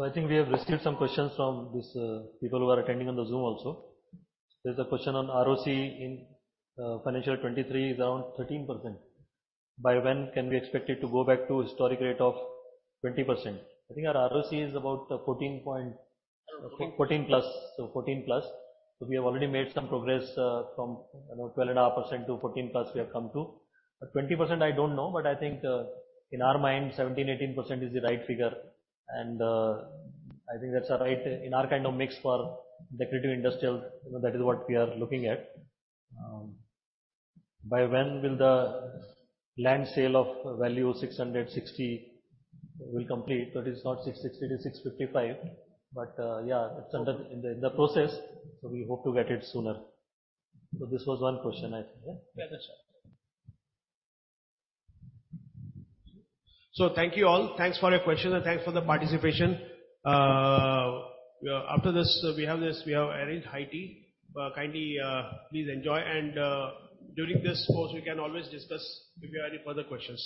I think we have received some questions from these people who are attending on the Zoom also. There's a question on ROC in FY 2023 is around 13%. By when can we expect it to go back to historic rate of 20%? I think our ROC is about 14 point. 14+. 14+. We have already made some progress, from, you know, 12.5% to 14+ we have come to. At 20%, I don't know, but I think, in our mind, 17%-18% is the right figure. I think that's a right in our kind of mix for decorative industrial, you know, that is what we are looking at. By when will the land sale of value 660 will complete? It is not 660, it is 655. Yeah, it's under the process, so we hope to get it sooner. This was one question I think, yeah? Yeah, that's right. Thank you all. Thanks for your questions and thanks for the participation. After this, we have arranged high tea. Kindly, please enjoy. During this course we can always discuss if you have any further questions.